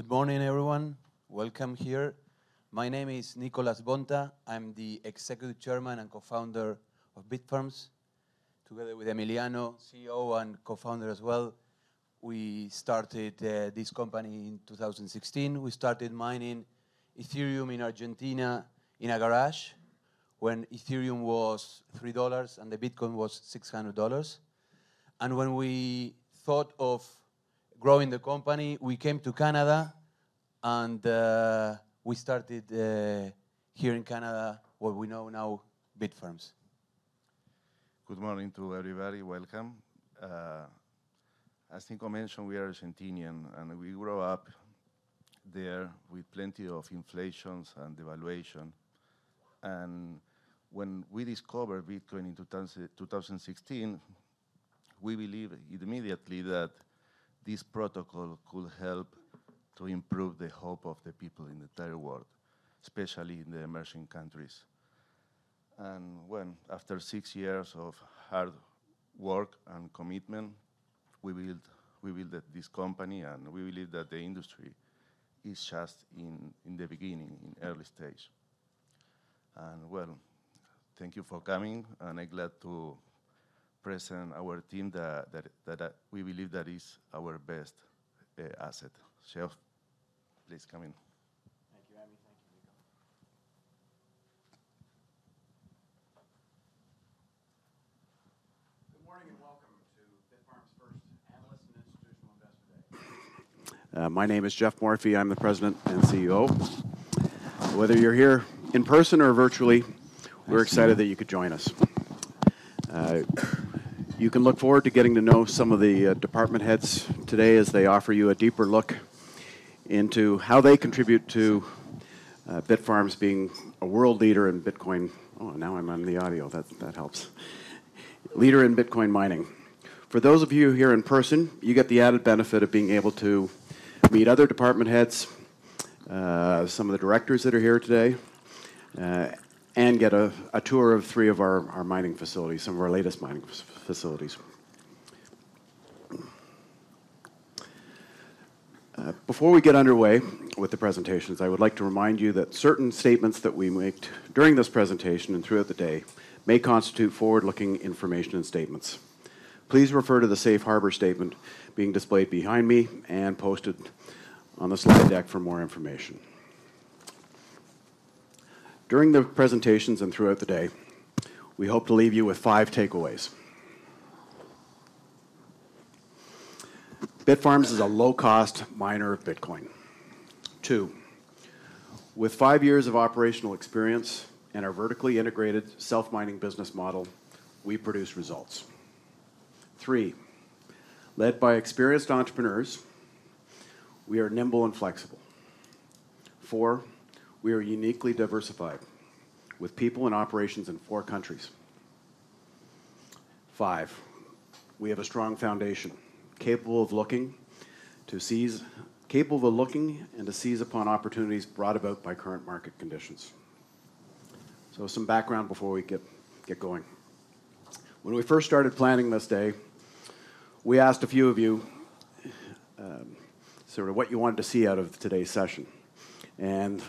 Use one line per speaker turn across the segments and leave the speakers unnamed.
Good morning, everyone. Welcome here. My name is Nicolas Bonta. I'm the Executive Chairman and Co-Founder of Bitfarms, together with Emiliano, CEO and Co-Founder as well. We started this company in 2016. We started mining Ethereum in Argentina in a garage when Ethereum was $3 and Bitcoin was $600. When we thought of growing the company, we came to Canada and we started here in Canada what we know now Bitfarms.
Good morning to everybody. Welcome. As Nico mentioned, we are Argentinian, and we grow up there with plenty of inflations and devaluation. When we discover Bitcoin in 2016, we believe immediately that this protocol could help to improve the hope of the people in the entire world, especially in the emerging countries. When after six years of hard work and commitment, we build up this company, and we believe that the industry is just in the beginning, in early stage. Thank you for coming, and I'm glad to present our team that we believe that is our best asset. Jeff, please come in.
Thank you, Emiliano. Thank you, Nicolas. Good morning and welcome to Bitfarms' first Analyst and Institutional Investor Day. My name is Geoffrey Morphy. I'm the President and CEO. Whether you're here in person or virtually.
Nice to meet you.
We're excited that you could join us. You can look forward to getting to know some of the department heads today as they offer you a deeper look into how they contribute to Bitfarms being a world leader in Bitcoin mining. For those of you here in person, you get the added benefit of being able to meet other department heads, some of the directors that are here today, and get a tour of three of our mining facilities, some of our latest mining facilities. Before we get underway with the presentations, I would like to remind you that certain statements that we make during this presentation and throughout the day may constitute forward-looking information and statements. Please refer to the safe harbor statement being displayed behind me and posted on the slide deck for more information. During the presentations and throughout the day, we hope to leave you with five takeaways. Bitfarms is a low-cost miner of Bitcoin. Two, with five years of operational experience and our vertically integrated self-mining business model, we produce results. Three, led by experienced entrepreneurs, we are nimble and flexible. Four, we are uniquely diversified with people and operations in four countries. Five, we have a strong foundation, capable of looking and to seize upon opportunities brought about by current market conditions. Some background before we get going. When we first started planning this day, we asked a few of you, sort of what you wanted to see out of today's session, and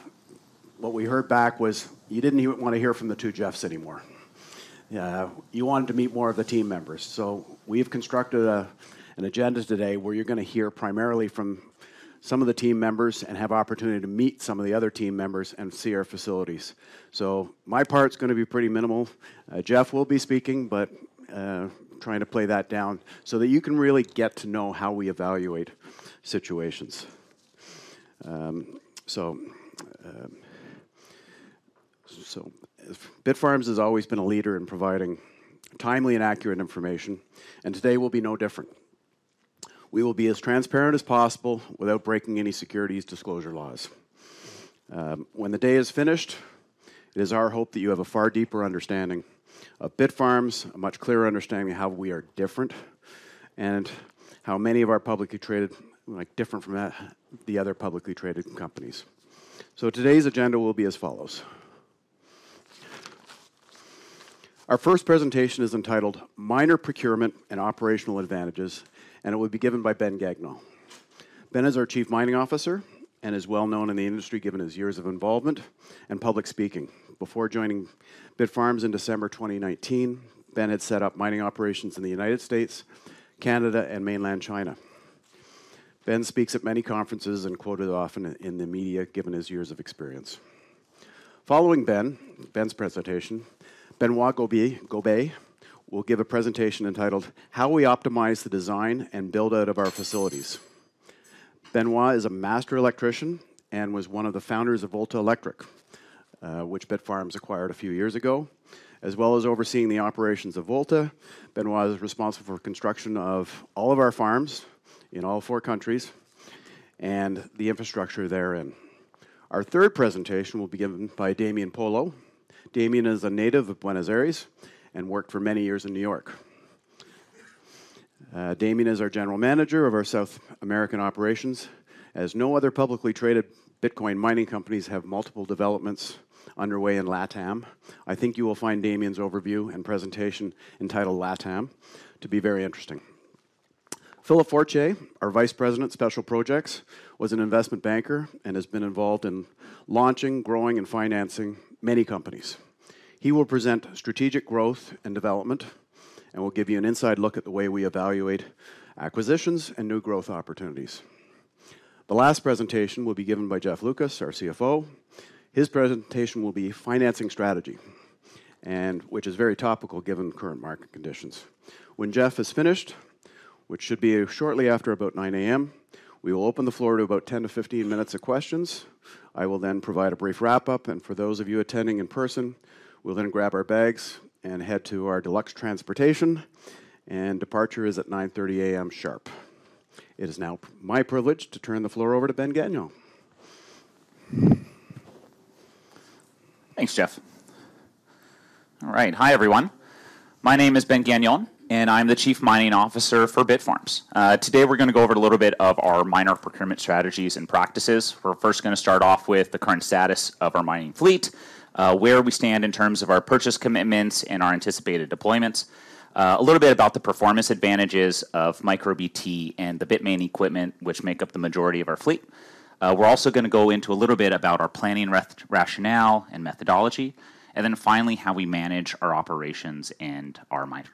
what we heard back was you didn't wanna hear from the two Jeffs anymore. You wanted to meet more of the team members. We've constructed an agenda today where you're gonna hear primarily from some of the team members and have opportunity to meet some of the other team members and see our facilities. My part's gonna be pretty minimal. Jeff will be speaking, but trying to play that down so that you can really get to know how we evaluate situations. Bitfarms has always been a leader in providing timely and accurate information, and today will be no different. We will be as transparent as possible without breaking any securities disclosure laws. When the day is finished, it is our hope that you have a far deeper understanding of Bitfarms, a much clearer understanding of how we are different, and different from the other publicly traded companies. Today's agenda will be as follows. Our first presentation is entitled Miner Procurement and Operational Advantages, and it will be given by Ben Gagnon. Ben is our Chief Mining Officer and is well-known in the industry given his years of involvement and public speaking. Before joining Bitfarms in December 2019, Ben had set up mining operations in the United States, Canada, and Mainland China. Ben speaks at many conferences and quoted often in the media given his years of experience. Following Ben's presentation, Benoît Gobeil will give a presentation entitled How We Optimize the Design and Build Out of Our Facilities. Benoît is a master electrician and was one of the founders of Volta Electric, which Bitfarms acquired a few years ago. As well as overseeing the operations of Volta, Benoît is responsible for construction of all of our farms in all four countries and the infrastructure therein. Our third presentation will be given by Damian Polla. Damian is a native of Buenos Aires and worked for many years in New York. Damian is our General Manager of our South American operations. As no other publicly traded Bitcoin mining companies have multiple developments underway in LATAM, I think you will find Damian's overview and presentation entitled LATAM to be very interesting. Philippe Fortier, our Vice President Special Projects, was an investment banker and has been involved in launching, growing, and financing many companies. He will present strategic growth and development and will give you an inside look at the way we evaluate acquisitions and new growth opportunities. The last presentation will be given by Jeff Lucas, our CFO. His presentation will be financing strategy, and which is very topical given the current market conditions. When Jeff is finished, which should be shortly after about 9:00 A.M., we will open the floor to about 10 to 15 minutes of questions. I will then provide a brief wrap-up, and for those of you attending in person, we'll then grab our bags and head to our deluxe transportation, and departure is at 9:30 A.M. sharp. It is now my privilege to turn the floor over to Ben Gagnon.
Thanks, Jeff. All right. Hi, everyone. My name is Ben Gagnon, and I'm the Chief Mining Officer for Bitfarms. Today we're gonna go over a little bit of our Miner Procurement Strategies and Practices. We're first gonna start off with the current status of our mining fleet, where we stand in terms of our purchase commitments and our anticipated deployments, a little bit about the performance advantages of MicroBT and the Bitmain equipment which make up the majority of our fleet. We're also gonna go into a little bit about our planning rationale and methodology, and then finally, how we manage our operations and our miners.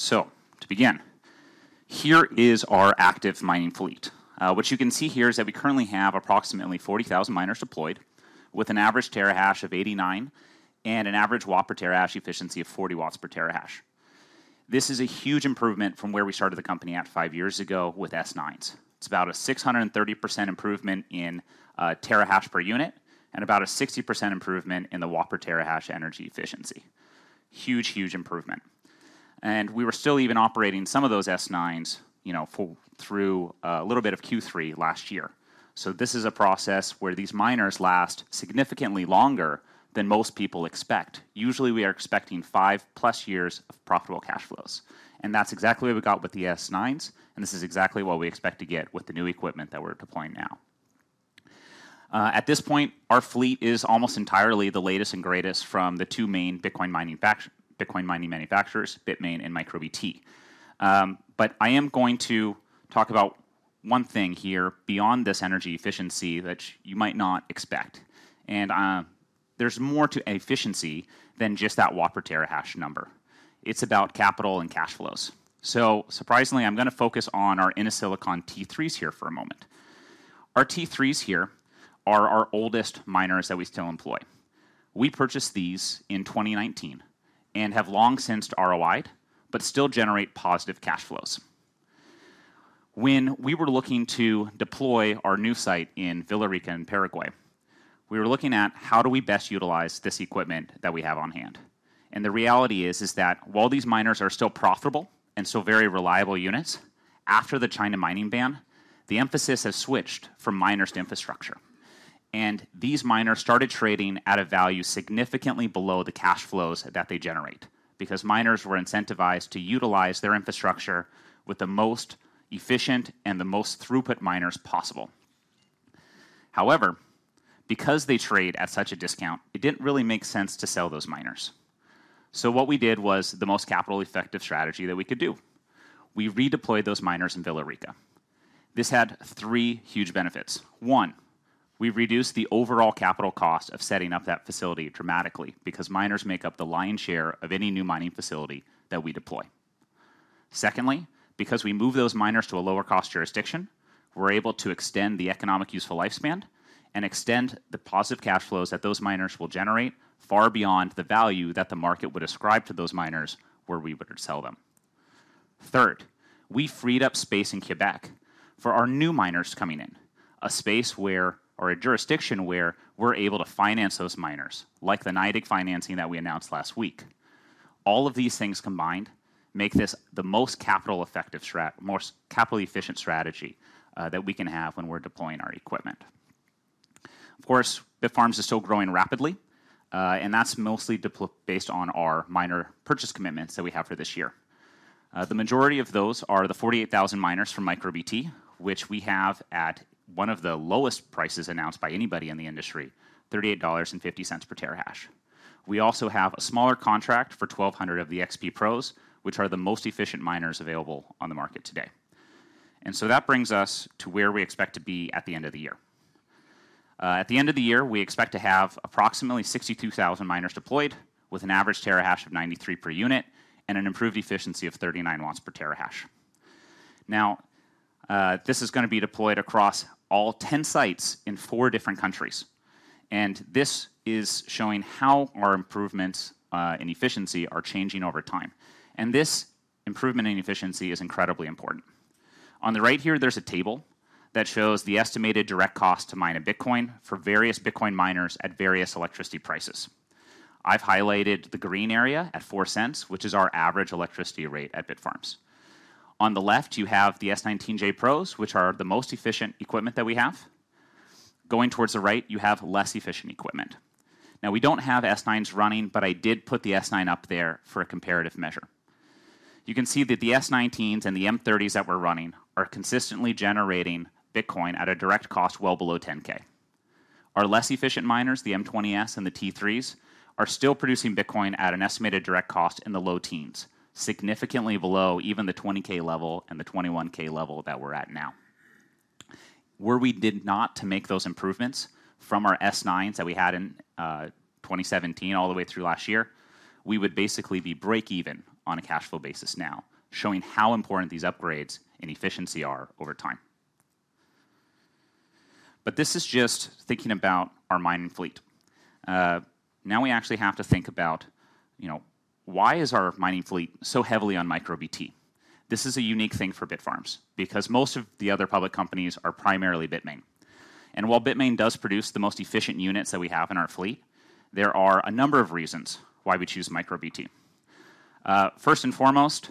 To begin, here is our active mining fleet. What you can see here is that we currently have approximately 40,000 miners deployed with an average terahash of 89 and an average watt per terahash efficiency of 40 W/TH. This is a huge improvement from where we started the company five years ago with S9s. It's about a 630% improvement in terahash per unit and about a 60% improvement in the watt per terahash energy efficiency. Huge improvement. We were still even operating some of those S9s, you know, right through a little bit of Q3 last year. This is a process where these miners last significantly longer than most people expect. Usually, we are expecting 5+ years of profitable cash flows, and that's exactly what we got with the S9s, and this is exactly what we expect to get with the new equipment that we're deploying now. At this point, our fleet is almost entirely the latest and greatest from the two main Bitcoin mining manufacturers, Bitmain and MicroBT. I am going to talk about one thing here beyond this energy efficiency that you might not expect. There's more to efficiency than just that watt per terahash number. It's about capital and cash flows. Surprisingly, I'm gonna focus on our Innosilicon T3s here for a moment. Our T3s here are our oldest miners that we still employ. We purchased these in 2019 and have long since ROI'd but still generate positive cash flows. When we were looking to deploy our new site in Villarrica in Paraguay, we were looking at how do we best utilize this equipment that we have on hand? The reality is that while these miners are still profitable and still very reliable units, after the China mining ban, the emphasis has switched from miners to infrastructure. These miners started trading at a value significantly below the cash flows that they generate because miners were incentivized to utilize their infrastructure with the most efficient and the most throughput miners possible. However, because they trade at such a discount, it didn't really make sense to sell those miners. What we did was the most capital-effective strategy that we could do. We redeployed those miners in Villarrica. This had three huge benefits. One, we reduced the overall capital cost of setting up that facility dramatically because miners make up the lion's share of any new mining facility that we deploy. Secondly, because we moved those miners to a lower cost jurisdiction, we're able to extend the economic useful lifespan and extend the positive cash flows that those miners will generate far beyond the value that the market would ascribe to those miners were we to sell them. Third, we freed up space in Québec for our new miners coming in, a space where or a jurisdiction where we're able to finance those miners, like the NYDIG financing that we announced last week. All of these things combined make this the most capital efficient strategy that we can have when we're deploying our equipment. Of course, Bitfarms is still growing rapidly, and that's mostly based on our miner purchase commitments that we have for this year. The majority of those are the 48,000 miners from MicroBT, which we have at one of the lowest prices announced by anybody in the industry, $38.50 per terahash. We also have a smaller contract for 1,200 of the XP Pros, which are the most efficient miners available on the market today. That brings us to where we expect to be at the end of the year. At the end of the year, we expect to have approximately 62,000 miners deployed with an average terahash of 93 per unit and an improved efficiency of 39 W/TH. Now, this is gonna be deployed across all 10 sites in four different countries, and this is showing how our improvements in efficiency are changing over time. This improvement in efficiency is incredibly important. On the right here, there's a table that shows the estimated direct cost to mine a Bitcoin for various Bitcoin miners at various electricity prices. I've highlighted the green area at $0.04, which is our average electricity rate at Bitfarms. On the left, you have the S19J Pros, which are the most efficient equipment that we have. Going towards the right, you have less efficient equipment. Now, we don't have S9s running, but I did put the S9 up there for a comparative measure. You can see that the S19s and the M30s that we're running are consistently generating Bitcoin at a direct cost well below $10K. Our less efficient miners, the M20S and the T3s, are still producing Bitcoin at an estimated direct cost in the low teens, significantly below even the $20K level and the $21K level that we're at now. Were we not to make those improvements from our S9s that we had in 2017 all the way through last year, we would basically be break even on a cash flow basis now, showing how important these upgrades and efficiency are over time. This is just thinking about our mining fleet. Now we actually have to think about, you know, why is our mining fleet so heavily on MicroBT? This is a unique thing for Bitfarms because most of the other public companies are primarily Bitmain. While Bitmain does produce the most efficient units that we have in our fleet, there are a number of reasons why we choose MicroBT. First and foremost,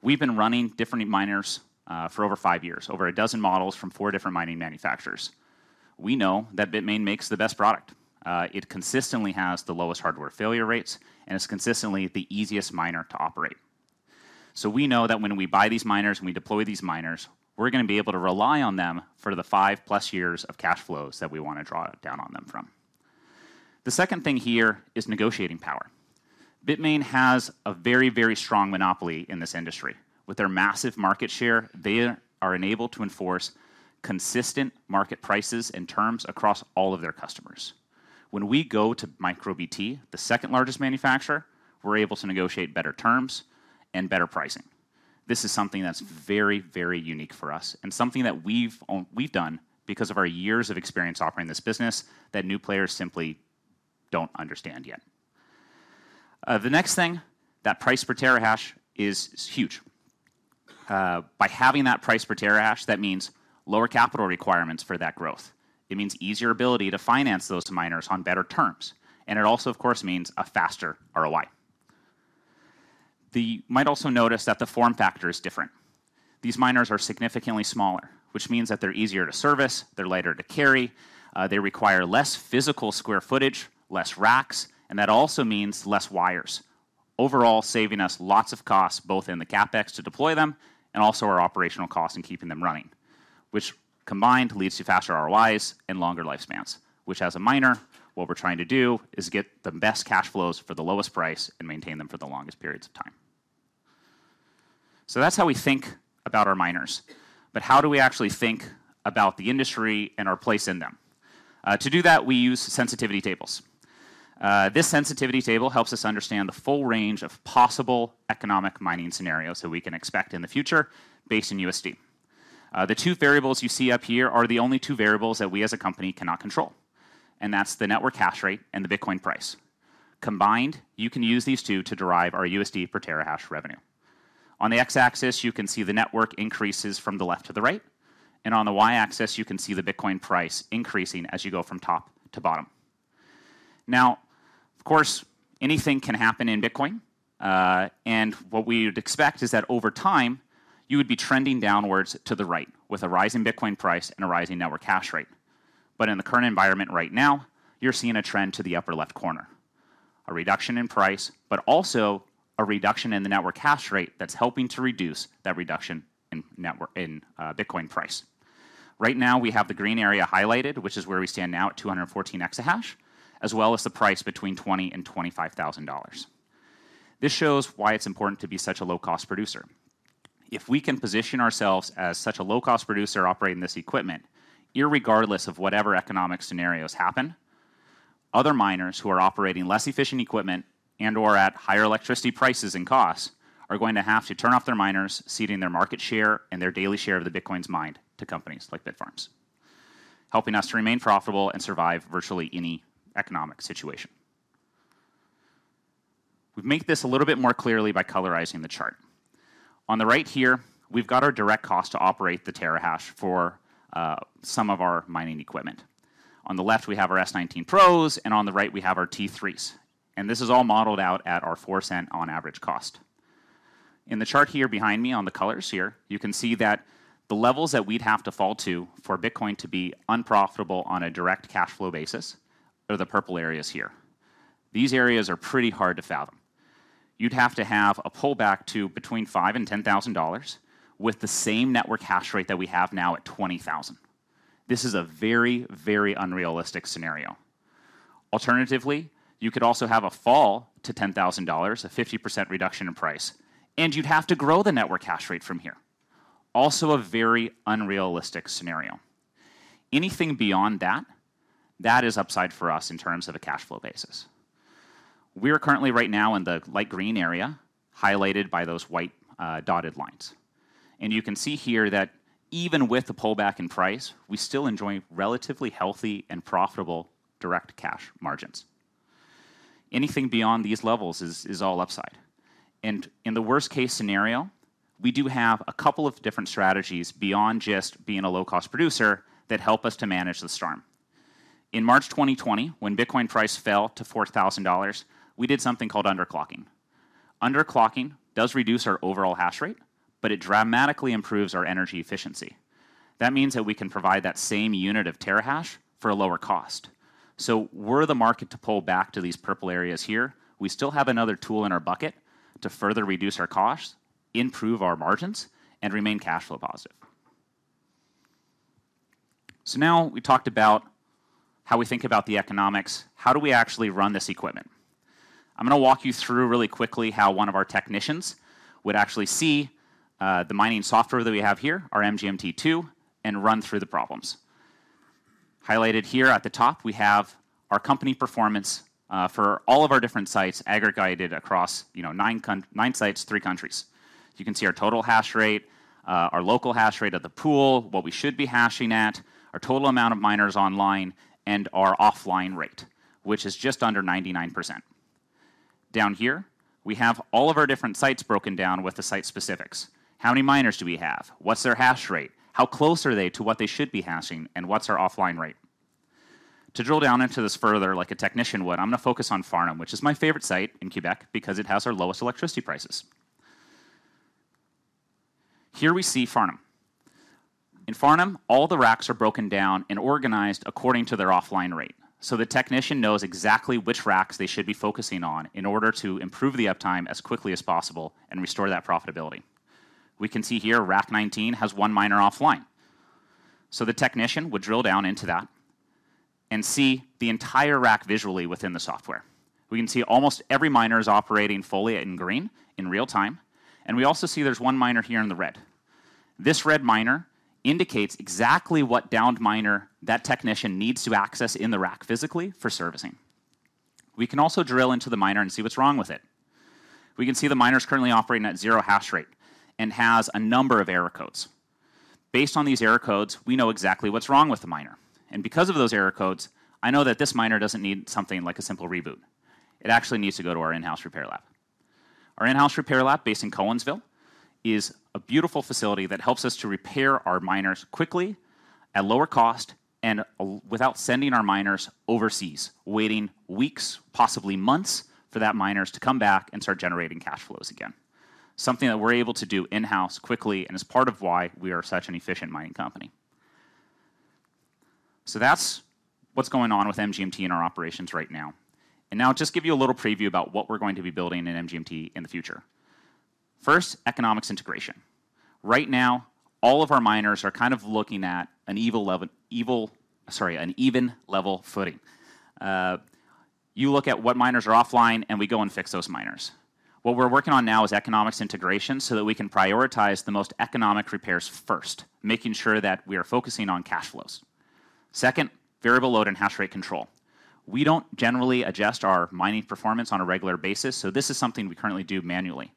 we've been running different miners for over five years, over a dozen models from four different mining manufacturers. We know that Bitmain makes the best product. It consistently has the lowest hardware failure rates and is consistently the easiest miner to operate. We know that when we buy these miners and we deploy these miners, we're gonna be able to rely on them for the five-plus years of cash flows that we wanna draw down on them from. The second thing here is negotiating power. Bitmain has a very, very strong monopoly in this industry. With their massive market share, they are enabled to enforce consistent market prices and terms across all of their customers. When we go to MicroBT, the second largest manufacturer, we're able to negotiate better terms and better pricing. This is something that's very, very unique for us, and something that we've done because of our years of experience operating this business that new players simply don't understand yet. The next thing, that price per terahash is huge. By having that price per terahash, that means lower capital requirements for that growth. It means easier ability to finance those miners on better terms. It also, of course, means a faster ROI. You might also notice that the form factor is different. These miners are significantly smaller, which means that they're easier to service, they're lighter to carry, they require less physical square footage, less racks, and that also means less wires, overall saving us lots of costs, both in the CapEx to deploy them and also our operational costs in keeping them running, which combined leads to faster ROIs and longer lifespans. Which as a miner, what we're trying to do is get the best cash flows for the lowest price and maintain them for the longest periods of time. That's how we think about our miners. How do we actually think about the industry and our place in them? To do that, we use sensitivity tables. This sensitivity table helps us understand the full range of possible economic mining scenarios that we can expect in the future based in USD. The two variables you see up here are the only two variables that we as a company cannot control, and that's the network hash rate and the Bitcoin price. Combined, you can use these two to derive our USD per terahash revenue. On the X-axis, you can see the network increases from the left to the right, and on the Y-axis, you can see the Bitcoin price increasing as you go from top to bottom. Now, of course, anything can happen in Bitcoin. What we would expect is that over time, you would be trending downwards to the right with a rising Bitcoin price and a rising network hash rate. In the current environment right now, you're seeing a trend to the upper left corner, a reduction in price, but also a reduction in the network hash rate that's helping to reduce that reduction in Bitcoin price. Right now, we have the green area highlighted, which is where we stand now at 214 EH, as well as the price between $20,000-$25,000. This shows why it's important to be such a low-cost producer. If we can position ourselves as such a low-cost producer operating this equipment, regardless of whatever economic scenarios happen, other miners who are operating less efficient equipment and/or at higher electricity prices and costs are going to have to turn off their miners, ceding their market share and their daily share of the Bitcoins mined to companies like Bitfarms, helping us to remain profitable and survive virtually any economic situation. We make this a little bit more clearly by colorizing the chart. On the right here, we've got our direct cost to operate the terahash for some of our mining equipment. On the left, we have our S19 pros, and on the right we have our T3s. This is all modeled out at our $0.04 average cost. In the chart here behind me on the colors here, you can see that the levels that we'd have to fall to for Bitcoin to be unprofitable on a direct cash flow basis are the purple areas here. These areas are pretty hard to fathom. You'd have to have a pullback to between $5,000 and $10,000 with the same network hash rate that we have now at 20,000. This is a very, very unrealistic scenario. Alternatively, you could also have a fall to $10,000, a 50% reduction in price, and you'd have to grow the network hash rate from here. Also a very unrealistic scenario. Anything beyond that is upside for us in terms of a cash flow basis. We are currently right now in the light green area, highlighted by those white dotted lines. You can see here that even with the pullback in price, we still enjoy relatively healthy and profitable direct cash margins. Anything beyond these levels is all upside. In the worst case scenario, we do have a couple of different strategies beyond just being a low-cost producer that help us to manage the storm. In March 2020, when Bitcoin price fell to $4,000, we did something called underclocking. Underclocking does reduce our overall hash rate, but it dramatically improves our energy efficiency. That means that we can provide that same unit of terahash for a lower cost. Were the market to pull back to these purple areas here, we still have another tool in our bucket to further reduce our costs, improve our margins, and remain cash flow positive. Now we talked about how we think about the economics. How do we actually run this equipment? I'm gonna walk you through really quickly how one of our technicians would actually see the mining software that we have here, our MGMT-2, and run through the problems. Highlighted here at the top, we have our company performance for all of our different sites aggregated across, you know, nine sites, three countries. You can see our total hash rate, our local hash rate at the pool, what we should be hashing at, our total amount of miners online, and our offline rate, which is just under 99%. Down here, we have all of our different sites broken down with the site specifics. How many miners do we have? What's their hash rate? How close are they to what they should be hashing, and what's our offline rate? To drill down into this further like a technician would, I'm gonna focus on Farnham, which is my favorite site in Québec because it has our lowest electricity prices. Here we see Farnham. In Farnham, all the racks are broken down and organized according to their offline rate, so the technician knows exactly which racks they should be focusing on in order to improve the uptime as quickly as possible and restore that profitability. We can see here rack 19 has one miner offline. The technician would drill down into that and see the entire rack visually within the software. We can see almost every miner is operating fully in green in real time, and we also see there's one miner here in the red. This red miner indicates exactly what downed miner that technician needs to access in the rack physically for servicing. We can also drill into the miner and see what's wrong with it. We can see the miner's currently operating at zero hash rate and has a number of error codes. Based on these error codes, we know exactly what's wrong with the miner, and because of those error codes, I know that this miner doesn't need something like a simple reboot. It actually needs to go to our in-house repair lab. Our in-house repair lab based in Cowansville is a beautiful facility that helps us to repair our miners quickly, at lower cost, and without sending our miners overseas, waiting weeks, possibly months, for those miners to come back and start generating cash flows again. Something that we're able to do in-house quickly and is part of why we are such an efficient mining company. That's what's going on with MGMT and our operations right now. Now I'll just give you a little preview about what we're going to be building in MGMT in the future. First, economics integration. Right now, all of our miners are kind of looking at an even level footing. You look at what miners are offline, and we go and fix those miners. What we're working on now is economics integration so that we can prioritize the most economic repairs first, making sure that we are focusing on cash flows. Second, variable load and hash rate control. We don't generally adjust our mining performance on a regular basis, so this is something we currently do manually.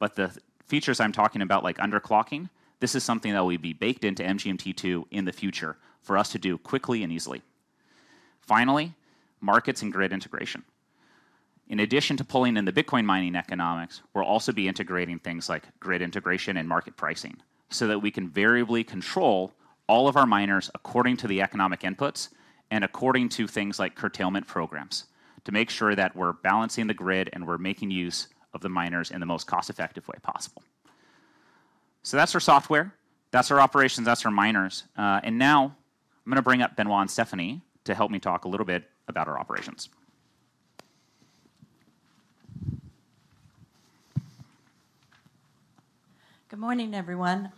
The features I'm talking about, like underclocking, this is something that will be baked into MGMT-2 in the future for us to do quickly and easily. Finally, markets and grid integration. In addition to pulling in the Bitcoin mining economics, we'll also be integrating things like grid integration and market pricing so that we can variably control all of our miners according to the economic inputs and according to things like curtailment programs to make sure that we're balancing the grid and we're making use of the miners in the most cost-effective way possible. That's our software. That's our operations. That's our miners. Now I'm gonna bring up Benoît and Stephanie to help me talk a little bit about our operations.
Good morning, everyone.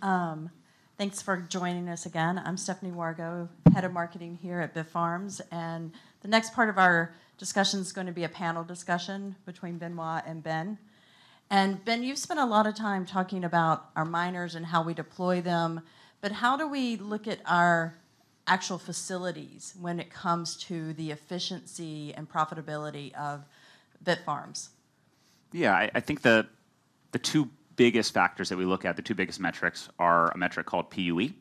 Thanks for joining us again. I'm Stephanie Wargo, head of marketing here at Bitfarms, and the next part of our discussion's gonna be a panel discussion between Benoît and Ben. Ben, you've spent a lot of time talking about our miners and how we deploy them, but how do we look at our actual facilities when it comes to the efficiency and profitability of Bitfarms?
Yeah. I think the two biggest factors that we look at, the two biggest metrics, are a metric called PUE,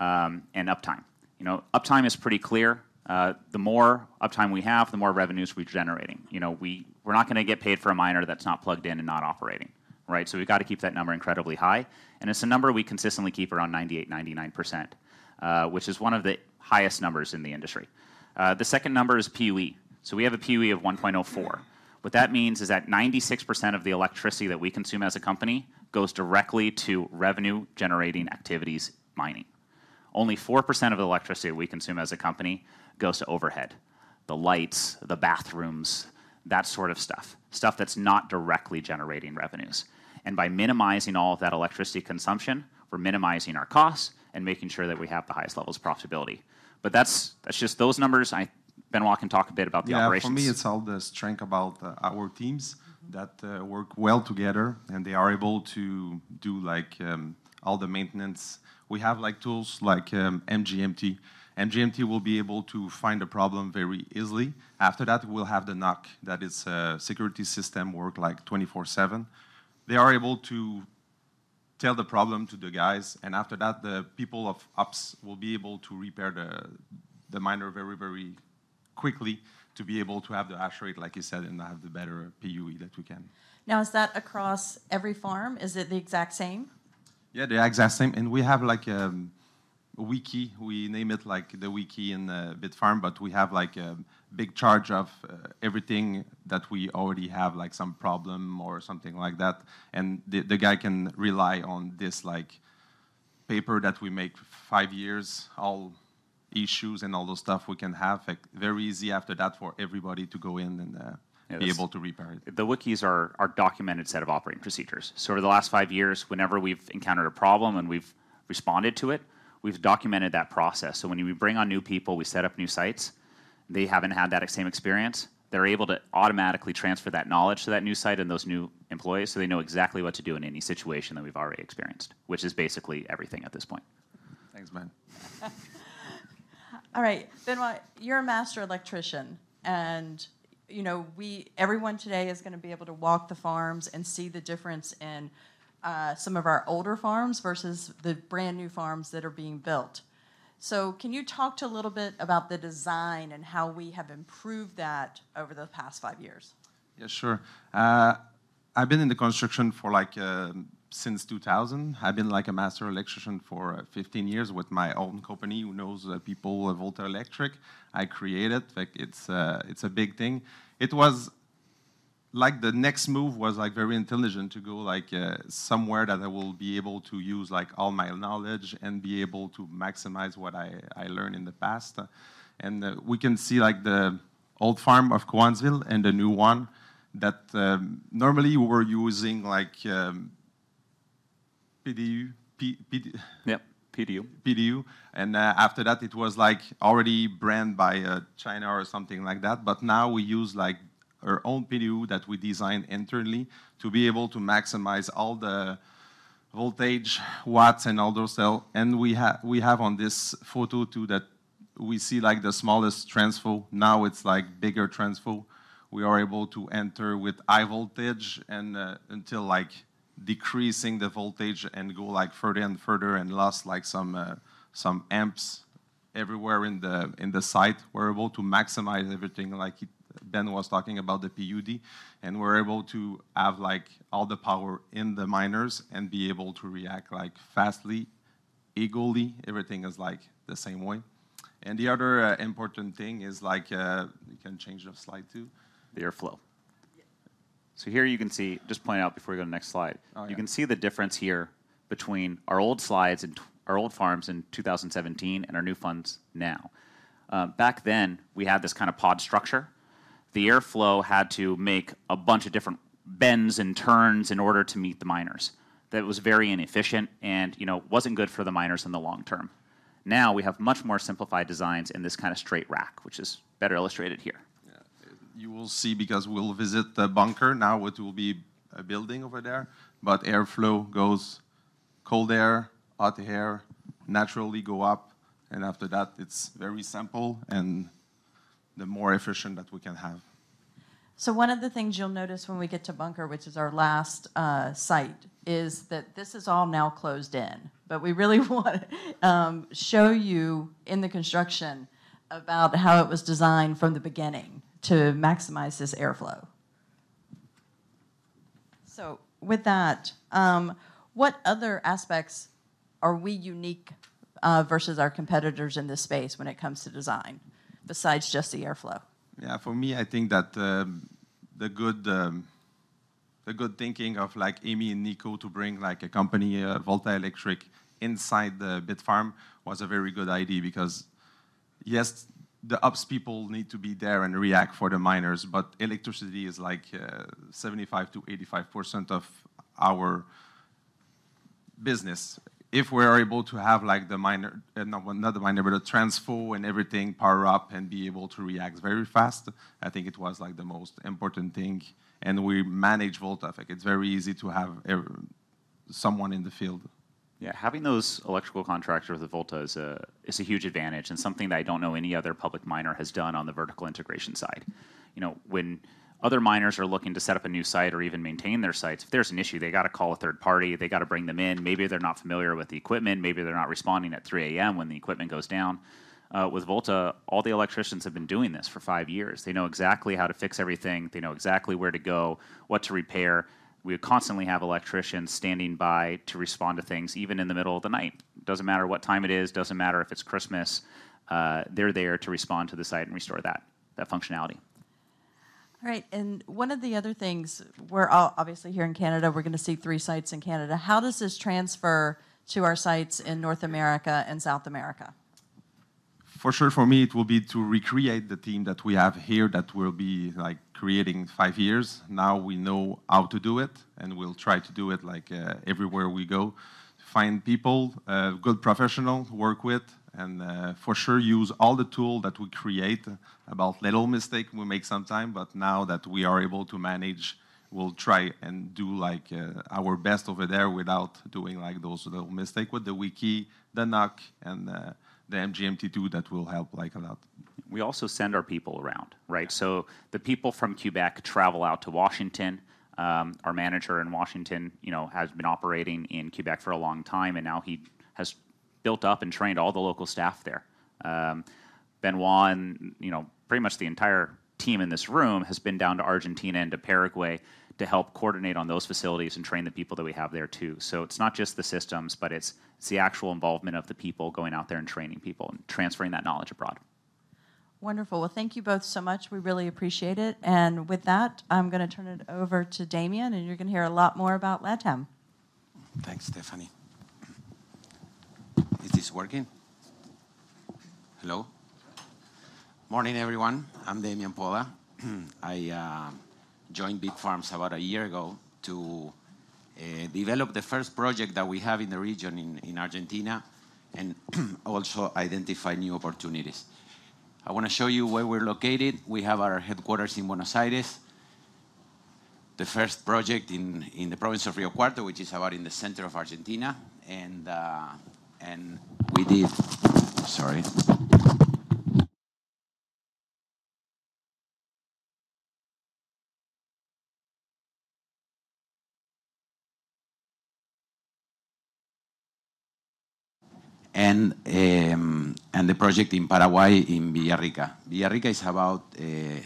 and uptime. You know, uptime is pretty clear. The more uptime we have, the more revenues we're generating. You know, we're not gonna get paid for a miner that's not plugged in and not operating, right? We've gotta keep that number incredibly high, and it's a number we consistently keep around 98%-99%, which is one of the highest numbers in the industry. The second number is PUE. We have a PUE of 1.04. What that means is that 96% of the electricity that we consume as a company goes directly to revenue-generating activities, mining. Only 4% of the electricity that we consume as a company goes to overhead, the lights, the bathrooms, that sort of stuff that's not directly generating revenues. By minimizing all of that electricity consumption, we're minimizing our costs and making sure that we have the highest levels of profitability. That's just those numbers. Benoît can talk a bit about the operations.
Yeah. For me, it's all the strength about our teams that work well together, and they are able to do, like, all the maintenance. We have, like, tools like MGMT. MGMT will be able to find a problem very easily. After that, we'll have the NOC, that is a security system work, like, 24/7. They are able to tell the problem to the guys, and after that, the people of OPS will be able to repair the miner very, very quickly to be able to have the hash rate, like you said, and have the better PUE that we can.
Now, is that across every farm? Is it the exact same?
Yeah, the exact same. We have, like, a wiki. We name it, like, the wiki in the Bitfarms, but we have a big chart of everything that we already have, like some problem or something like that, and the guy can rely on this, like paper that we make five years, all issues and all the stuff we can have very easy after that for everybody to go in and.
Yes
Be able to repair it.
The wikis are a documented set of operating procedures. Over the last five years, whenever we've encountered a problem and we've responded to it, we've documented that process. When we bring on new people, we set up new sites, they haven't had that same experience, they're able to automatically transfer that knowledge to that new site and those new employees, so they know exactly what to do in any situation that we've already experienced, which is basically everything at this point.
Thanks, man.
All right. Benoît, you're a master electrician, and, you know, we, everyone today is gonna be able to walk the farms and see the difference in some of our older farms versus the brand-new farms that are being built. Can you talk a little bit about the design and how we have improved that over the past five years?
Yeah, sure. I've been in the construction for, like, since 2000. I've been, like, a master electrician for 15 years with my own company, who knows the people of Volta Electric. I create it. Like, it's a big thing. It was like the next move was, like, very intelligent to go, like, somewhere that I will be able to use, like, all my knowledge and be able to maximize what I learned in the past. We can see, like, the old farm of Cowansville and the new one that normally we were using, like, PDU.
Yep. PDU.
PDU. After that it was, like, already banned by China or something like that. But now we use, like, our own PDU that we design internally to be able to maximize all the voltage, watts, and other cell. We have on this photo too, that we see like the smallest transfo. Now it's, like, bigger transfo. We are able to enter with high voltage and until, like, decreasing the voltage and go, like, further and further and last, like, some amps everywhere in the site. We're able to maximize everything like Ben was talking about, the PUE, and we're able to have, like, all the power in the miners and be able to react, like, fastly, equally. Everything is, like, the same way. The other important thing is, like, you can change the slide too.
The airflow.
Yeah.
Here you can see. Just point out before we go to the next slide.
Oh, yeah.
You can see the difference here between our old farms in 2017 and our new farms now. Back then, we had this kind of pod structure. The airflow had to make a bunch of different bends and turns in order to meet the miners. That was very inefficient and, you know, wasn't good for the miners in the long term. Now, we have much more simplified designs in this kind of straight rack, which is better illustrated here.
Yeah. You will see, because we'll visit The Bunker now, which will be a building over there, but airflow goes cold air, hot air, naturally go up, and after that it's very simple and the more efficient that we can have.
One of the things you'll notice when we get to Bunker, which is our last site, is that this is all now closed in. We really want show you in the construction about how it was designed from the beginning to maximize this airflow. With that, what other aspects are we unique versus our competitors in this space when it comes to design, besides just the airflow?
Yeah. For me, I think that the good thinking of, like, Emiliano Grodzki and Nicolas Bonta to bring a company, Volta Electric inside the Bitfarms was a very good idea because the OPS people need to be there and react for the miners, but electricity is, like, 75%-85% of our business. If we're able to have, like, the transfo and everything power up and be able to react very fast, I think it was, like the most important thing. We manage Volta. Like, it's very easy to have someone in the field.
Yeah. Having those electrical contractors with Volta Electric is a huge advantage, and something that I don't know any other public miner has done on the vertical integration side. You know, when other miners are looking to set up a new site or even maintain their sites, if there's an issue, they gotta call a third party, they gotta bring them in. Maybe they're not familiar with the equipment, maybe they're not responding at 3:00 A.M. when the equipment goes down. With Volta Electric, all the electricians have been doing this for five years. They know exactly how to fix everything. They know exactly where to go, what to repair. We constantly have electricians standing by to respond to things, even in the middle of the night. Doesn't matter what time it is, doesn't matter if it's Christmas, they're there to respond to the site and restore that functionality.
All right. One of the other things, we're obviously here in Canada, we're gonna see three sites in Canada. How does this transfer to our sites in North America and South America?
For sure, for me, it will be to recreate the team that we have here that will be, like creating five years. Now we know how to do it, and we'll try to do it, like, everywhere we go. Find people, good professional to work with, and for sure use all the tool that we create. About little mistake, we make sometime, but now that we are able to manage, we'll try and do, like, our best over there without doing, like, those little mistake. With the wiki, the NOC, and the MGMT tool, that will help, like, a lot.
We also send our people around, right? The people from Québec travel out to Washington. Our Manager in Washington, you know, has been operating in Québec for a long time, and now he has built up and trained all the local staff there. Benoît and, you know, pretty much the entire team in this room has been down to Argentina and to Paraguay to help coordinate on those facilities and train the people that we have there too. It's not just the systems, but it's the actual involvement of the people going out there and training people and transferring that knowledge abroad.
Wonderful. Well, thank you both so much. We really appreciate it. With that, I'm gonna turn it over to Damian, and you're gonna hear a lot more about LATAM.
Thanks, Stephanie. Is this working? Hello. Morning, everyone. I'm Damian Polla. I joined Bitfarms about a year ago to develop the first project that we have in the region in Argentina, and also identify new opportunities. I wanna show you where we're located. We have our headquarters in Buenos Aires. The first project in the province of Río Cuarto, which is about in the center of Argentina, and the project in Paraguay in Villarrica. Villarrica is about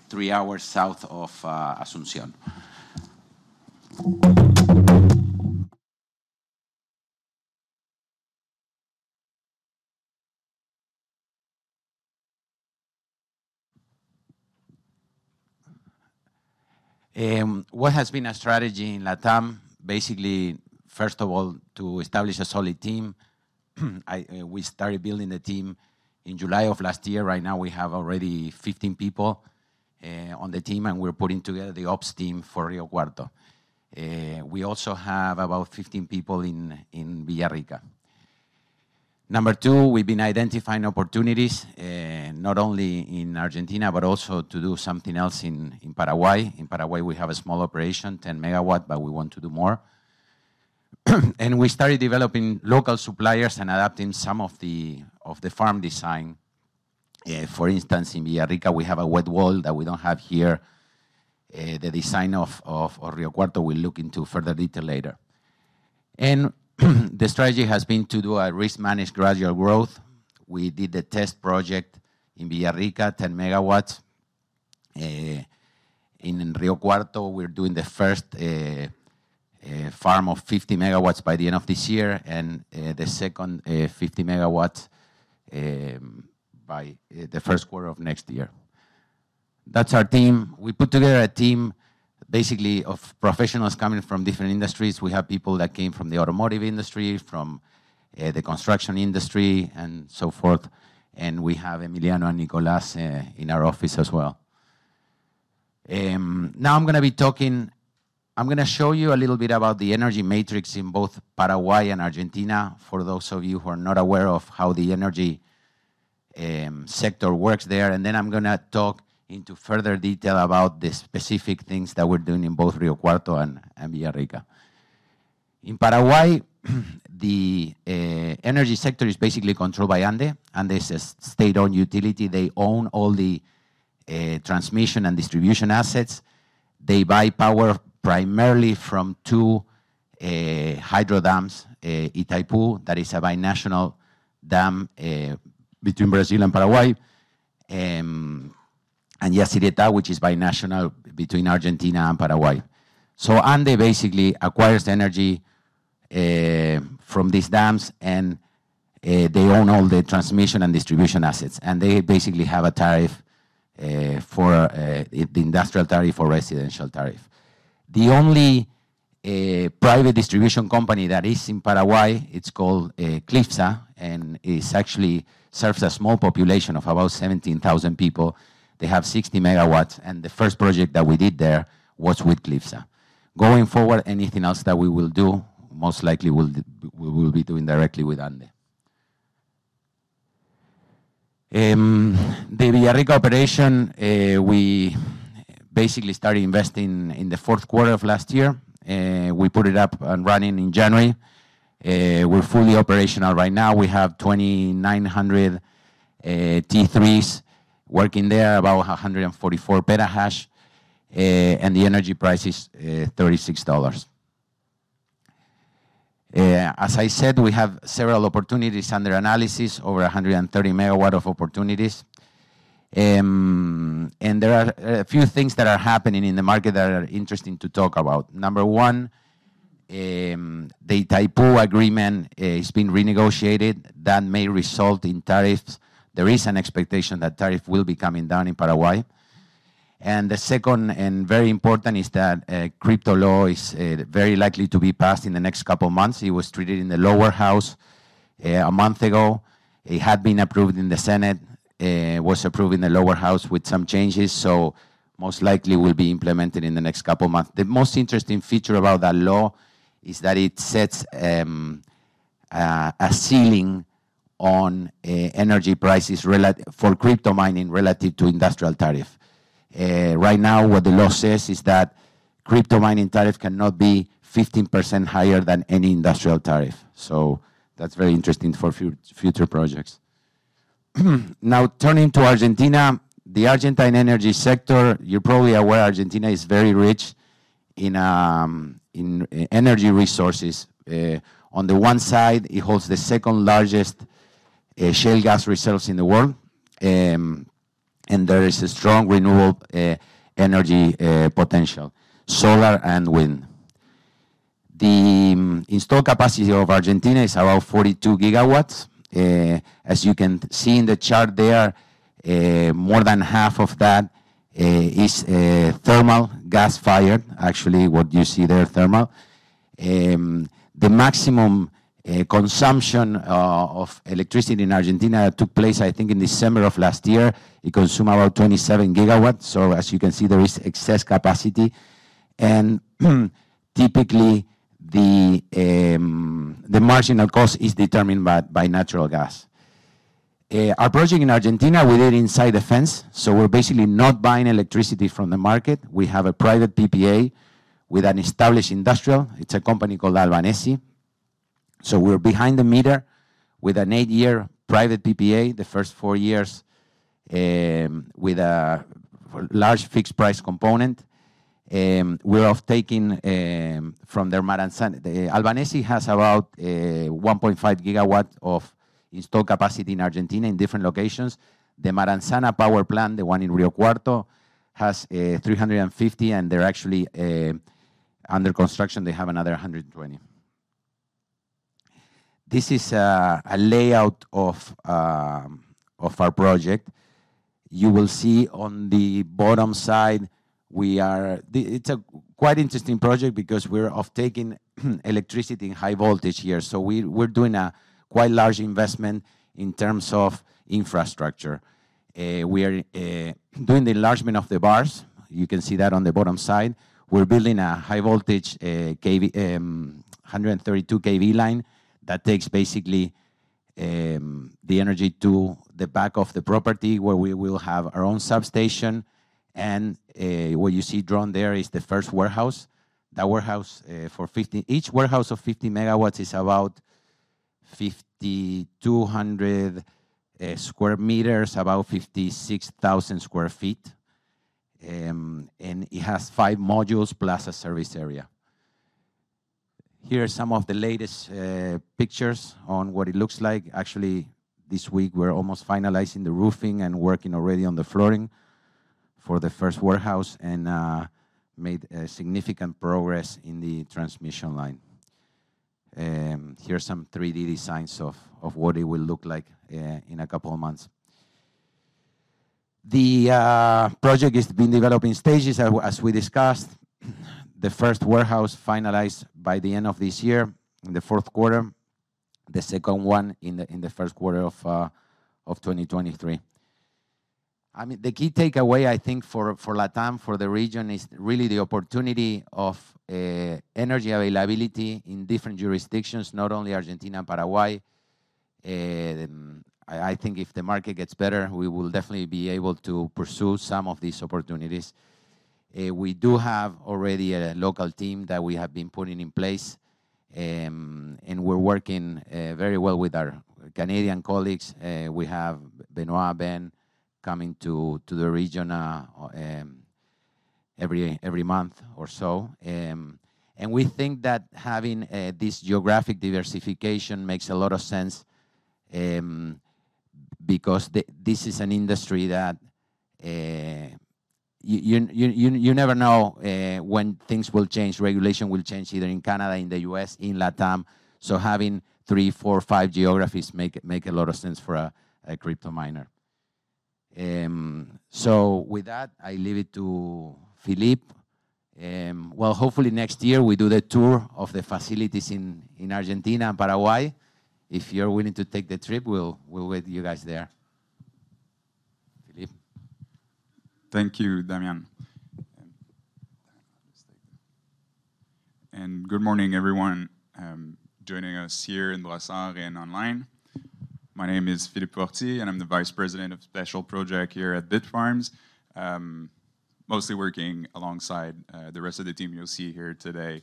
three hours south of Asunción. What has been our strategy in LATAM? Basically, first of all, to establish a solid team. We started building the team in July of last year. Right now we have already 15 people on the team, and we're putting together the OPS team for Río Cuarto. We also have about 15 people in Villarrica. Number two, we've been identifying opportunities, not only in Argentina, but also to do something else in Paraguay. In Paraguay, we have a small operation, 10 MW, but we want to do more. We started developing local suppliers and adapting some of the farm design. For instance, in Villarrica, we have a wet wall that we don't have here. The design of Río Cuarto we'll look into further detail later. The strategy has been to do a risk-managed gradual growth. We did a test project in Villarrica, 10 MW. In Río Cuarto, we're doing the first farm of 50 MW by the end of this year and the second 50 MW by the first quarter of next year. That's our team. We put together a team basically of professionals coming from different industries. We have people that came from the automotive industry, from the construction industry and so forth, and we have Emiliano Grodzki and Nicolas Bonta in our office as well. Now I'm gonna show you a little bit about the energy matrix in both Paraguay and Argentina for those of you who are not aware of how the energy sector works there. I'm gonna talk into further detail about the specific things that we're doing in both Río Cuarto and Villarrica. In Paraguay, the energy sector is basically controlled by ANDE, and this is state-owned utility. They own all the transmission and distribution assets. They buy power primarily from two hydro dams, Itaipu, that is a binational dam between Brazil and Paraguay, and Yacyretá, which is binational between Argentina and Paraguay. ANDE basically acquires the energy from these dams, and they own all the transmission and distribution assets, and they basically have a tariff for the industrial tariff or residential tariff. The only private distribution company that is in Paraguay, it's called CLYFSA, and it actually serves a small population of about 17,000 people. They have 60 MW, and the first project that we did there was with CLYFSA. Going forward, anything else that we will do, most likely we'll be doing directly with ANDE. The Villarrica operation, we basically started investing in the fourth quarter of last year. We put it up and running in January. We're fully operational right now. We have 2,900 T3s working there, about 144 petahash. The energy price is $36. As I said, we have several opportunities under analysis, over 130 MW of opportunities. There are a few things that are happening in the market that are interesting to talk about. Number one, the Itaipu Treaty is being renegotiated. That may result in tariffs. There is an expectation that tariff will be coming down in Paraguay. The second, and very important, is that crypto law is very likely to be passed in the next couple of months. It was debated in the lower house a month ago. It had been approved in the Senate. It was approved in the lower house with some changes, so most likely will be implemented in the next couple of months. The most interesting feature about that law is that it sets a ceiling on energy prices for crypto mining relative to industrial tariff. Right now, what the law says is that crypto mining tariff cannot be 15% higher than any industrial tariff. That's very interesting for future projects. Now, turning to Argentina. The Argentine energy sector, you're probably aware Argentina is very rich in energy resources. On the one side, it holds the second-largest shale gas reserves in the world. There is a strong renewable energy potential, solar and wind. The installed capacity of Argentina is about 42 GW. As you can see in the chart there, more than half of that is thermal gas-fired. Actually, what you see there, thermal. The maximum consumption of electricity in Argentina took place, I think, in December of last year. It consumed about 27 GW. As you can see, there is excess capacity. Typically, the marginal cost is determined by natural gas. Our project in Argentina, we did inside the fence, so we're basically not buying electricity from the market. We have a private PPA with an established industrial. It's a company called Albanesi. We're behind the meter with an eight-year private PPA, the first 4 years, with a fairly large fixed price component. We're offtaking from their Maranzana. Grupo Albanesi has about 1.5 GW of installed capacity in Argentina in different locations. The Maranzana power plant, the one in Río Cuarto, has 350, and they're actually under construction. They have another 120. This is a layout of our project. You will see on the bottom side, we are. It's a quite interesting project because we're off taking electricity in high voltage here. We're doing a quite large investment in terms of infrastructure. We are doing the enlargement of the bars. You can see that on the bottom side. We're building a high voltage 132 KV line that takes basically the energy to the back of the property where we will have our own substation. What you see drawn there is the first warehouse. Each warehouse of 50 MW is about 5,200 square meters, about 56,000 sq ft. It has five modules plus a service area. Here are some of the latest pictures on what it looks like. Actually, this week, we're almost finalizing the roofing and working already on the flooring for the first warehouse and made significant progress in the transmission line. Here are some 3D Designs of what it will look like in a couple of months. The project is being developed in stages. As we discussed, the first warehouse finalized by the end of this year in the fourth quarter, the second one in the first quarter of 2023. I mean, the key takeaway, I think, for LATAM, for the region, is really the opportunity of energy availability in different jurisdictions, not only Argentina and Paraguay. I think if the market gets better, we will definitely be able to pursue some of these opportunities. We do have already a local team that we have been putting in place, and we're working very well with our Canadian colleagues. We have Benoît and Ben coming to the region every month or so. We think that having this geographic diversification makes a lot of sense, because this is an industry that you never know when things will change, regulation will change either in Canada, in the U.S., in LATAM. Having three, four, five geographies make a lot of sense for a crypto miner. With that, I leave it to Philippe. Well, hopefully next year we do the tour of the facilities in Argentina and Paraguay. If you're willing to take the trip, we'll wait for you guys there. Philippe.
Thank you, Damian. Good morning, everyone, joining us here in Brossard and online. My name is Philippe Fortier, and I'm the Vice President of Special Project here at Bitfarms, mostly working alongside the rest of the team you'll see here today,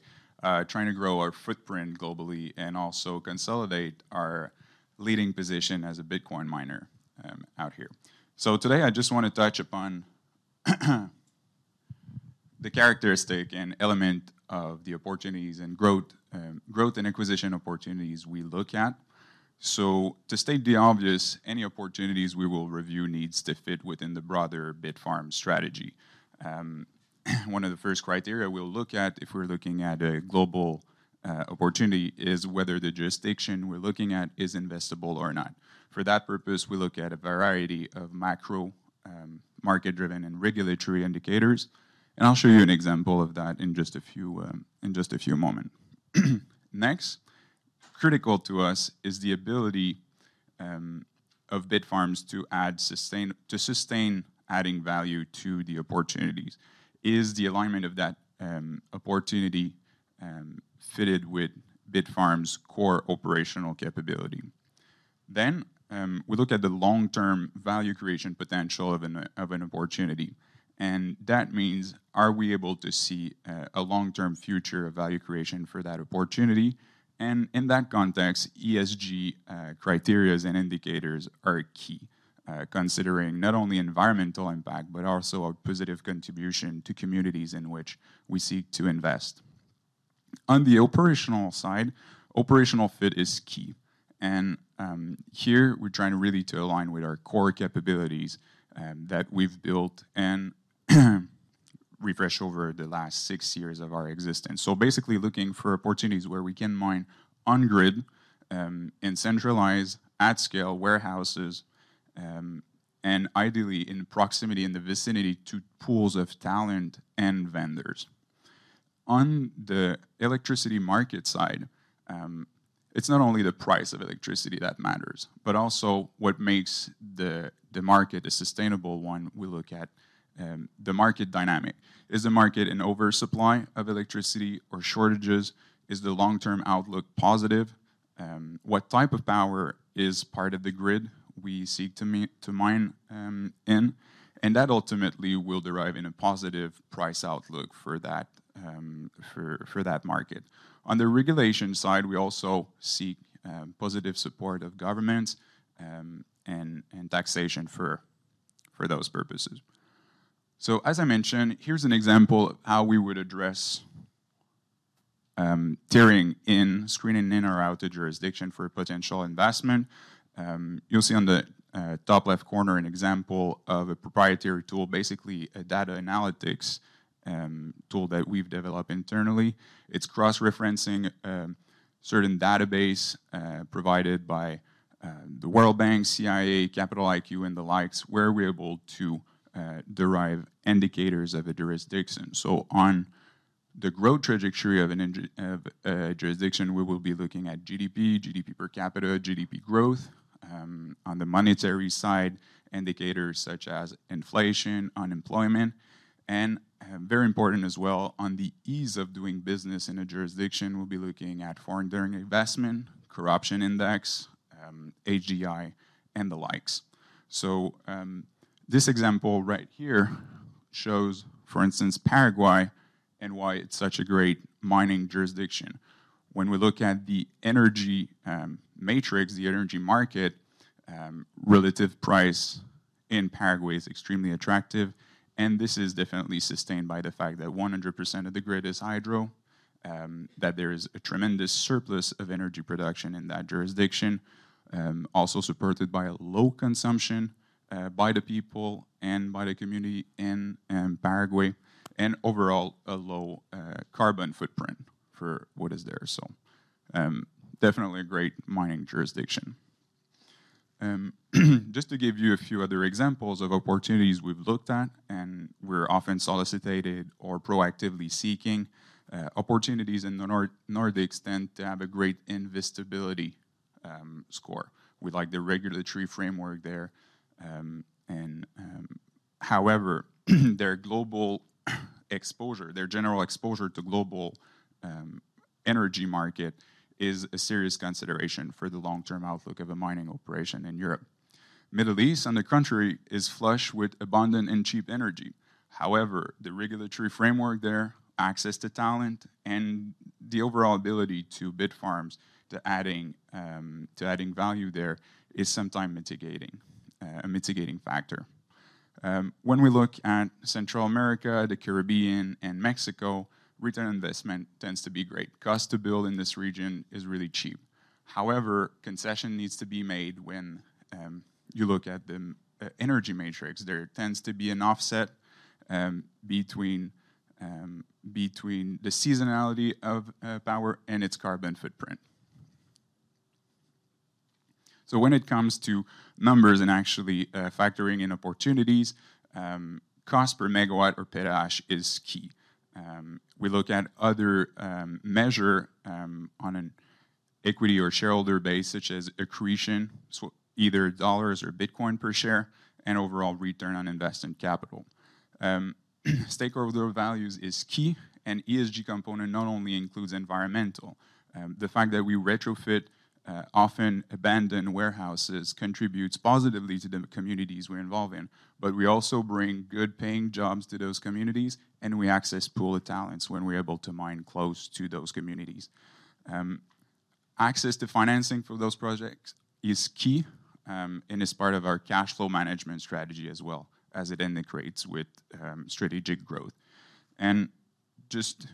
trying to grow our footprint globally and also consolidate our leading position as a Bitcoin miner, out here. Today, I just wanna touch upon the characteristic and element of the opportunities and growth and acquisition opportunities we look at. To state the obvious, any opportunities we will review needs to fit within the broader Bitfarms strategy. One of the first criteria we'll look at if we're looking at a global opportunity is whether the jurisdiction we're looking at is investable or not. For that purpose, we look at a variety of macro, market-driven and regulatory indicators, and I'll show you an example of that in just a few moments. Next, critical to us is the ability of Bitfarms to sustain adding value to the opportunities. Is the alignment of that opportunity fitted with Bitfarms' core operational capability? We look at the long-term value creation potential of an opportunity, and that means, are we able to see a long-term future of value creation for that opportunity? In that context, ESG criteria and indicators are key, considering not only environmental impact, but also a positive contribution to communities in which we seek to invest. On the operational side, operational fit is key. Here we're trying really to align with our core capabilities that we've built and refresh over the last six years of our existence. Basically looking for opportunities where we can mine on grid and centralize at scale warehouses, and ideally in proximity, in the vicinity to pools of talent and vendors. On the electricity market side, it's not only the price of electricity that matters, but also what makes the market a sustainable one we look at, the market dynamic. Is the market an oversupply of electricity or shortages? Is the long-term outlook positive? What type of power is part of the grid we seek to mine in? That ultimately will derive in a positive price outlook for that market. On the regulation side, we also seek positive support of governments, and taxation for those purposes. As I mentioned, here's an example how we would address screening in or out a jurisdiction for a potential investment. You'll see on the top left corner an example of a proprietary tool, basically a data analytics tool that we've developed internally. It's cross-referencing certain databases provided by the World Bank, CIA, Capital IQ, and the like, where we're able to derive indicators of a jurisdiction. On the growth trajectory of a jurisdiction, we will be looking at GDP per capita, GDP growth. On the monetary side, indicators such as inflation, unemployment, and, very important as well on the ease of doing business in a jurisdiction, we'll be looking at foreign direct investment, corruption index, HDI, and the likes. This example right here shows, for instance, Paraguay and why it's such a great mining jurisdiction. When we look at the energy matrix, the energy market relative price in Paraguay is extremely attractive, and this is definitely sustained by the fact that 100% of the grid is hydro, that there is a tremendous surplus of energy production in that jurisdiction, also supported by a low consumption by the people and by the community in Paraguay, and overall a low carbon footprint for what is there. Definitely a great mining jurisdiction. Just to give you a few other examples of opportunities we've looked at, and we're often solicited or proactively seeking, opportunities in the Nordic environment to have a great investability score. We like the regulatory framework there. However, their general exposure to global energy market is a serious consideration for the long-term outlook of a mining operation in Europe. Middle East, on the contrary, is flush with abundant and cheap energy. However, the regulatory framework there, access to talent, and the overall ability of Bitfarms to add value there is sometimes a mitigating factor. When we look at Central America, the Caribbean, and Mexico, return on investment tends to be great. Cost to build in this region is really cheap. However, concession needs to be made when you look at the energy matrix. There tends to be an offset between the seasonality of power and its carbon footprint. When it comes to numbers and actually factoring in opportunities, cost per megawatt or per hash is key. We look at other measures on an equity or shareholder base, such as accretion, so either dollars or Bitcoin per share, and overall return on investment capital. Stakeholder values is key, and ESG component not only includes environmental. The fact that we retrofit often abandoned warehouses contributes positively to the communities we're involved in, but we also bring good paying jobs to those communities, and we access pool of talents when we're able to mine close to those communities. Access to financing for those projects is key, and is part of our cash flow management strategy as well as it integrates with strategic growth. Just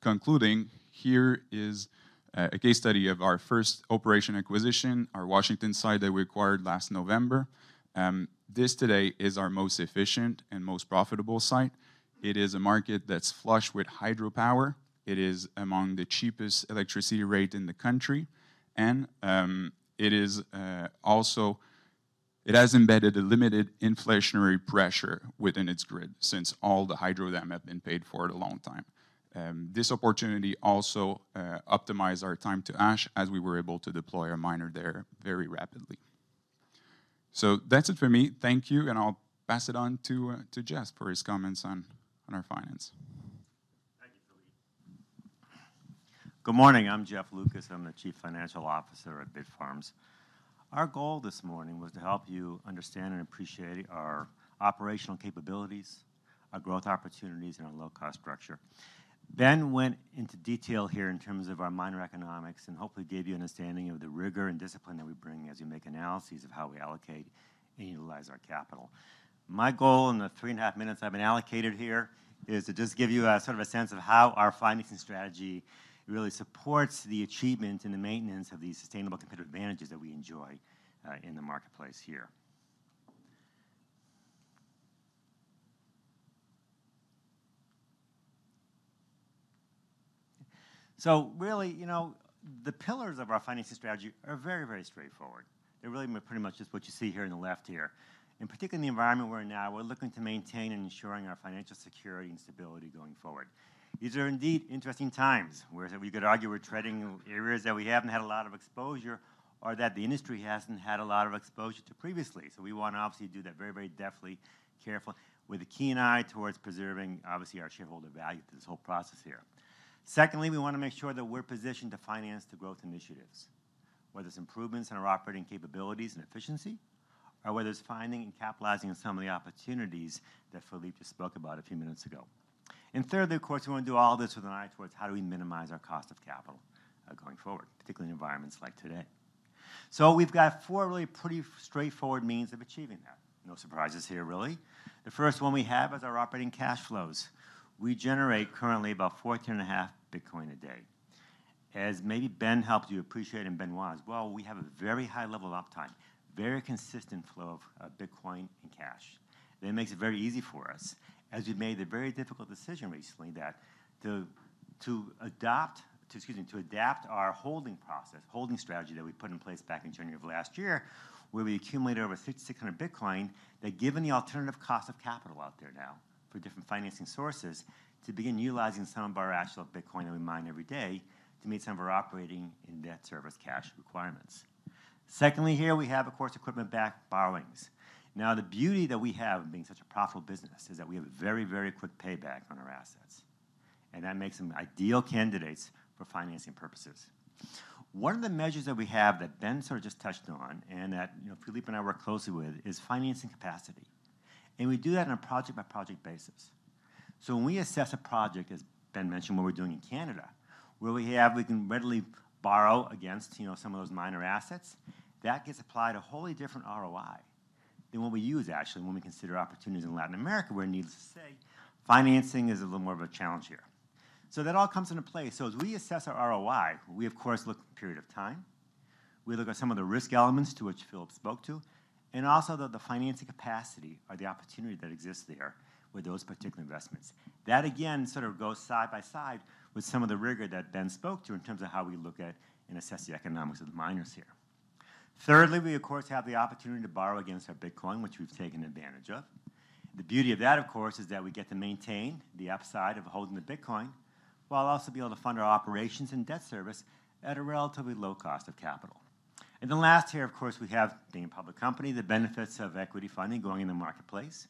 concluding, here is a case study of our first operation acquisition, our Washington site that we acquired last November. This today is our most efficient and most profitable site. It is a market that's flush with hydropower. It is among the cheapest electricity rate in the country, and it is also. It has embedded a limited inflationary pressure within its grid since all the hydro dam have been paid for a long time. This opportunity also optimized our time to hash as we were able to deploy a miner there very rapidly. That's it for me. Thank you, and I'll pass it on to Jeff for his comments on our finances.
Thank you, Philippe. Good morning. I'm Jeff Lucas. I'm the Chief Financial Officer at Bitfarms. Our goal this morning was to help you understand and appreciate our operational capabilities, our growth opportunities, and our low-cost structure. Ben went into detail here in terms of our miner economics, and hopefully gave you an understanding of the rigor and discipline that we bring as we make analyses of how we allocate and utilize our capital. My goal in the 3.5 minutes I've been allocated here is to just give you a sort of a sense of how our financing strategy really supports the achievement and the maintenance of these sustainable competitive advantages that we enjoy in the marketplace here. Really, you know, the pillars of our financing strategy are very, very straightforward. They're really pretty much just what you see here in the left here. In particular, in the environment we're in now, we're looking to maintain and ensuring our financial security and stability going forward. These are indeed interesting times, whereas we could argue we're treading areas that we haven't had a lot of exposure or that the industry hasn't had a lot of exposure to previously. We wanna obviously do that very, very deftly, careful, with a keen eye towards preserving, obviously, our shareholder value through this whole process here. Secondly, we wanna make sure that we're positioned to finance the growth initiatives, whether it's improvements in our operating capabilities and efficiency, or whether it's finding and capitalizing on some of the opportunities that Philippe just spoke about a few minutes ago. Thirdly, of course, we wanna do all this with an eye towards how do we minimize our cost of capital, going forward, particularly in environments like today. We've got four really pretty straightforward means of achieving that. No surprises here, really. The first one we have is our operating cash flows. We generate currently about 14.5 Bitcoin a day. As maybe Ben helped you appreciate, and Benoît as well, we have a very high level of uptime, very consistent flow of Bitcoin and cash. That makes it very easy for us as we made the very difficult decision recently to adapt our holding process, holding strategy that we put in place back in January of last year, where we accumulated over 5,600 Bitcoin, that given the alternative cost of capital out there now for different financing sources, to begin utilizing some of our actual Bitcoin that we mine every day to meet some of our operating and debt service cash requirements. Secondly here, we have, of course, equipment-backed borrowings. Now, the beauty that we have in being such a profitable business is that we have a very, very quick payback on our assets, and that makes them ideal candidates for financing purposes. One of the measures that we have that Ben sort of just touched on and that, you know, Philippe and I work closely with is financing capacity, and we do that on a project-by-project basis. When we assess a project, as Ben mentioned, what we're doing in Canada, where we have, we can readily borrow against, you know, some of those miner assets, that gets applied a wholly different ROI than what we use actually when we consider opportunities in Latin America, where needless to say, financing is a little more of a challenge here. That all comes into play. As we assess our ROI, we of course look at period of time, we look at some of the risk elements to which Philippe spoke to, and also the financing capacity or the opportunity that exists there with those particular investments. That again sort of goes side by side with some of the rigor that Ben spoke to in terms of how we look at and assess the economics of the miners here. Thirdly, we of course have the opportunity to borrow against our Bitcoin, which we've taken advantage of. The beauty of that, of course, is that we get to maintain the upside of holding the Bitcoin while also be able to fund our operations and debt service at a relatively low cost of capital. Last here, of course, we have, being a public company, the benefits of equity funding going in the marketplace.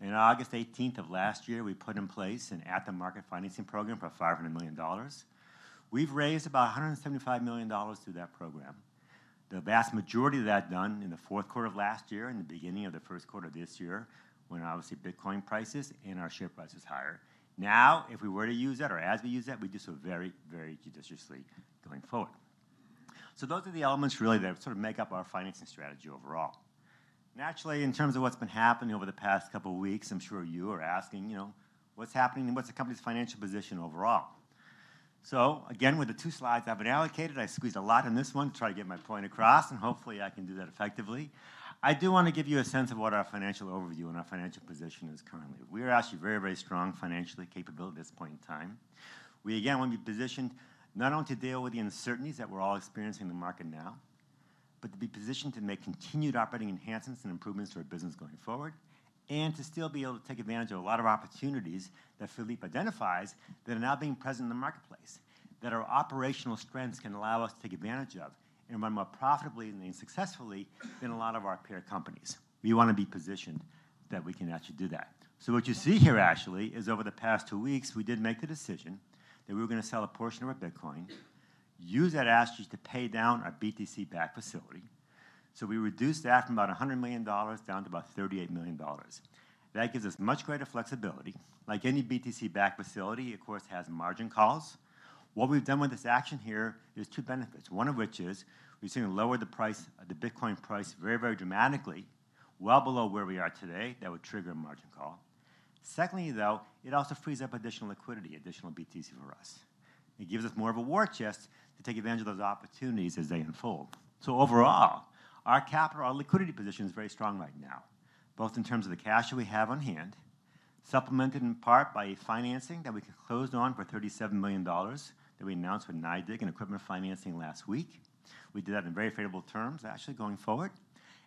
In August 18th of last year, we put in place an at-the-market financing program for $500 million. We've raised about $175 million through that program. The vast majority of that done in the fourth quarter of last year and the beginning of the first quarter this year, when obviously Bitcoin prices and our share price is higher. Now, if we were to use that or as we use that, we do so very, very judiciously going forward. Those are the elements really that sort of make up our financing strategy overall. Naturally, in terms of what's been happening over the past couple weeks, I'm sure you are asking, you know, what's happening and what's the company's financial position overall? Again, with the two slides I've been allocated, I squeezed a lot in this one to try to get my point across, and hopefully I can do that effectively. I do wanna give you a sense of what our financial overview and our financial position is currently. We are actually very, very strong financially capable at this point in time. We again wanna be positioned not only to deal with the uncertainties that we're all experiencing in the market now, but to be positioned to make continued operating enhancements and improvements to our business going forward, and to still be able to take advantage of a lot of opportunities that Philippe identifies that are now being present in the marketplace, that our operational strengths can allow us to take advantage of and run more profitably and successfully than a lot of our peer companies. We wanna be positioned that we can actually do that. What you see here actually is over the past 2 weeks, we did make the decision that we were gonna sell a portion of our bitcoin, use that proceeds to pay down our BTC-backed facility. We reduced that from about $100 million down to about $38 million. That gives us much greater flexibility. Like any BTC-backed facility, it of course has margin calls. What we've done with this action here is 2 benefits, one of which is even if we see the bitcoin price very, very dramatically lower, well below where we are today. That would trigger a margin call. Secondly, though, it also frees up additional liquidity, additional BTC for us. It gives us more of a war chest to take advantage of those opportunities as they unfold. Overall, our capital, our liquidity position is very strong right now, both in terms of the cash that we have on hand, supplemented in part by financing that we closed on for $37 million that we announced with NYDIG and Equipment Leasing last week. We did that in very favorable terms actually going forward.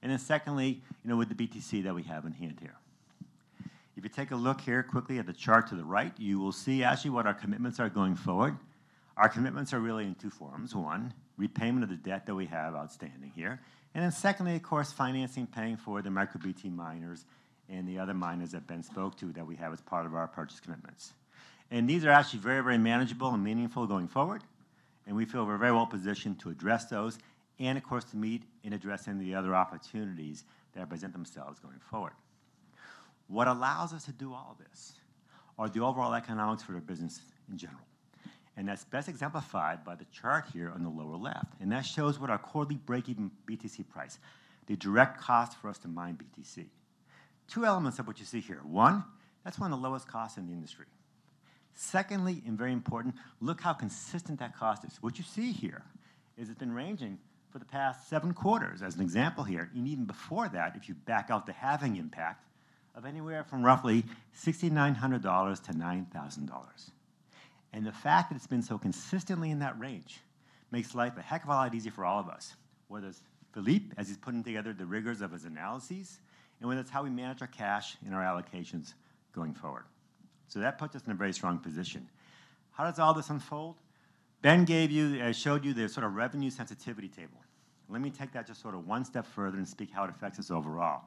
Then secondly, you know, with the BTC that we have in hand here. If you take a look here quickly at the chart to the right, you will see actually what our commitments are going forward. Our commitments are really in two forms. One, repayment of the debt that we have outstanding here. Then secondly, of course, financing, paying for the MicroBT miners and the other miners that Ben spoke to that we have as part of our purchase commitments. These are actually very, very manageable and meaningful going forward, and we feel we're very well positioned to address those and of course to meet and address any of the other opportunities that present themselves going forward. What allows us to do all this are the overall economics for our business in general, and that's best exemplified by the chart here on the lower left, and that shows what our quarterly break-even BTC price, the direct cost for us to mine BTC. Two elements of what you see here. One, that's one of the lowest costs in the industry. Secondly, and very important, look how consistent that cost is. What you see here is it's been ranging for the past seven quarters, as an example here, and even before that, if you back out the halving impact, of anywhere from roughly $6,900-$9,000. The fact that it's been so consistently in that range makes life a heck of a lot easier for all of us, whether it's Philippe as he's putting together the rigors of his analyses, and whether it's how we manage our cash and our allocations going forward. That puts us in a very strong position. How does all this unfold? Ben gave you, showed you the sort of revenue sensitivity table. Let me take that just sort of one step further and speak how it affects us overall.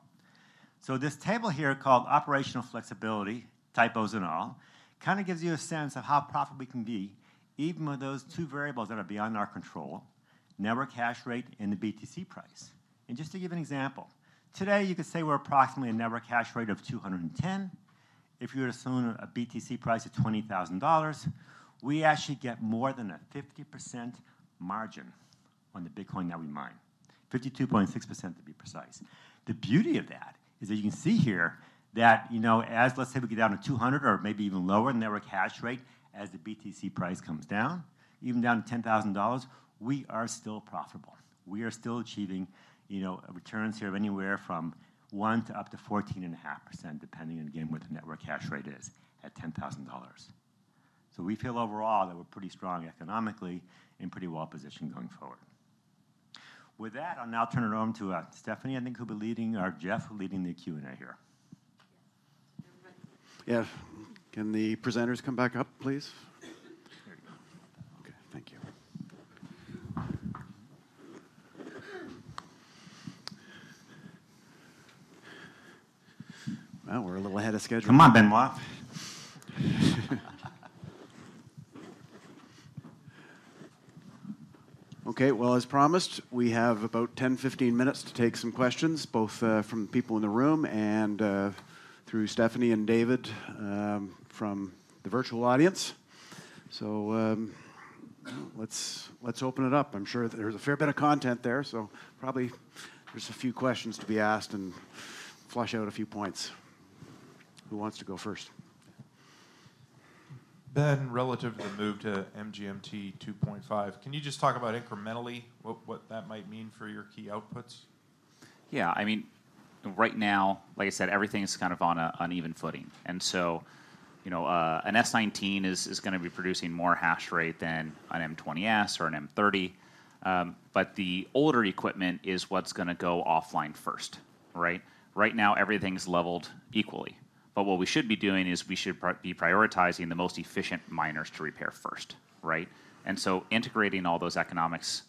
This table here called Operational Flexibility, typos and all, kind of gives you a sense of how profitable we can be even with those two variables that are beyond our control, network hash rate and the BTC price. Just to give an example, today you could say we're approximately a network hash rate of 210. If you were to assume a BTC price of $20,000, we actually get more than a 50% margin on the Bitcoin that we mine. 52.6% to be precise. The beauty of that is that you can see here that, you know, as let's say we get down to 200 or maybe even lower network hash rate as the BTC price comes down, even down to $10,000, we are still profitable. We are still achieving, you know, returns here of anywhere from 1% to up to 14.5%, depending again what the network hash rate is at $10,000. So we feel overall that we're pretty strong economically and pretty well-positioned going forward. With that, I'll now turn it over to Stephanie, I think, who'll be leading, or Jeff, leading the Q&A here.
Yeah. Can the presenters come back up, please?
There you go.
Okay. Thank you. Well, we're a little ahead of schedule.
Come on, Benoît.
Okay. Well, as promised, we have about 10, 15 minutes to take some questions, both from people in the room and through Stephanie and David from the virtual audience. Let's open it up. I'm sure there's a fair bit of content there, so probably there's a few questions to be asked and flush out a few points. Who wants to go first?
Ben, relative to the move to MGMT 2.5, can you just talk about incrementally what that might mean for your key outputs?
Yeah. I mean, right now, like I said, everything's kind of on an uneven footing. You know, an S19 is gonna be producing more hash rate than an M20S or an M30. But the older equipment is what's gonna go offline first, right? Right now, everything's leveled equally. But what we should be doing is we should prioritizing the most efficient miners to repair first, right? Integrating all those economics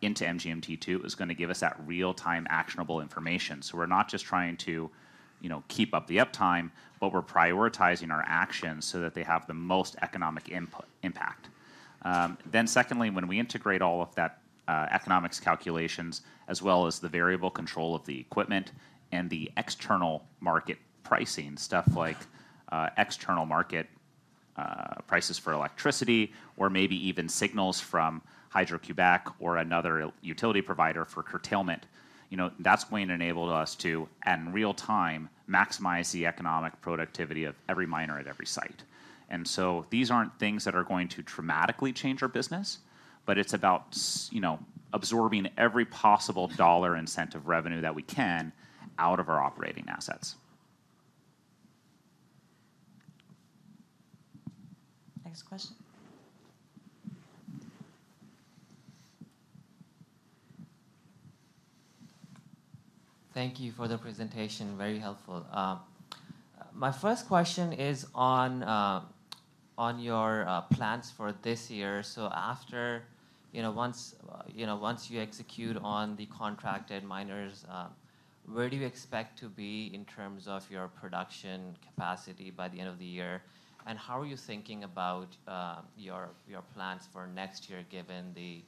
into MGMT-2 is gonna give us that real-time actionable information. We're not just trying to, you know, keep up the uptime, but we're prioritizing our actions so that they have the most economic impact. Secondly, when we integrate all of that, economics calculations as well as the variable control of the equipment and the external market pricing, stuff like, external market prices for electricity, or maybe even signals from Hydro-Québec or another utility provider for curtailment, you know, that's going to enable us to, in real time, maximize the economic productivity of every miner at every site. These aren't things that are going to dramatically change our business, but it's about you know, absorbing every possible dollar and cent of revenue that we can out of our operating assets.
Next question.
Thank you for the presentation. Very helpful. My first question is on your plans for this year. After you know, once you execute on the contracted miners, where do you expect to be in terms of your production capacity by the end of the year? How are you thinking about your plans for next year given the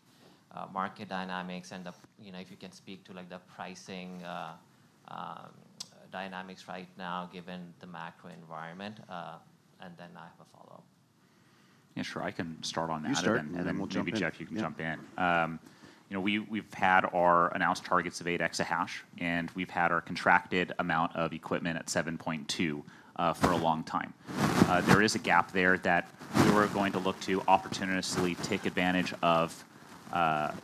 market dynamics and, you know, if you can speak to, like, the pricing dynamics right now given the macro environment? And then I have a follow-up.
Yeah, sure. I can start on that.
You start-
Maybe Jeff can jump in.
Yeah.
You know, we've had our announced targets of 8 EH, and we've had our contracted amount of equipment at 7.2 EH for a long time. There is a gap there that we're going to look to opportunistically take advantage of,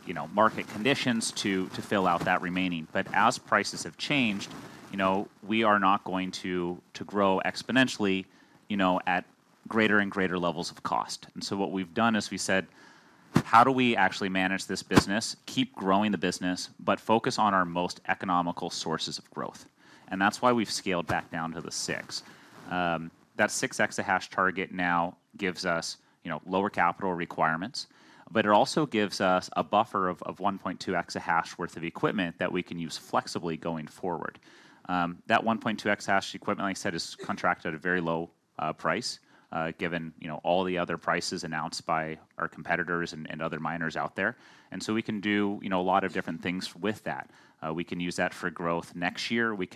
you know, market conditions to fill out that remaining. As prices have changed, you know, we are not going to grow exponentially, you know, at greater and greater levels of cost. What we've done is we said, "How do we actually manage this business, keep growing the business, but focus on our most economical sources of growth?" That's why we've scaled back down to the 6 EH. That 6 EH target now gives us, you know, lower capital requirements, but it also gives us a buffer of 1.2 EH worth of equipment that we can use flexibly going forward. That 1.2 EH equipment, like I said, is contracted at a very low price, given, you know, all the other prices announced by our competitors and other miners out there. We can do, you know, a lot of different things with that. We can use that for growth next year. We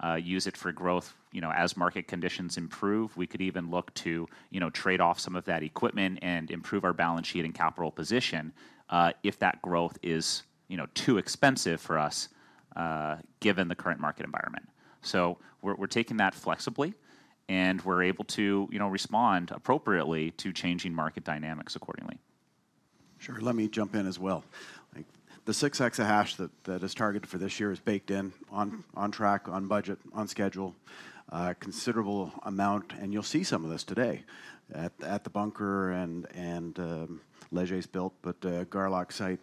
can use it for growth, you know, as market conditions improve. We could even look to, you know, trade off some of that equipment and improve our balance sheet and capital position, if that growth is, you know, too expensive for us, given the current market environment. We're taking that flexibly, and we're able to, you know, respond appropriately to changing market dynamics accordingly.
Sure. Let me jump in as well. Like, the 6 EH that is targeted for this year is baked in on track, on budget, on schedule, a considerable amount, and you'll see some of this today at The Bunker and Léger built, but Garlock site.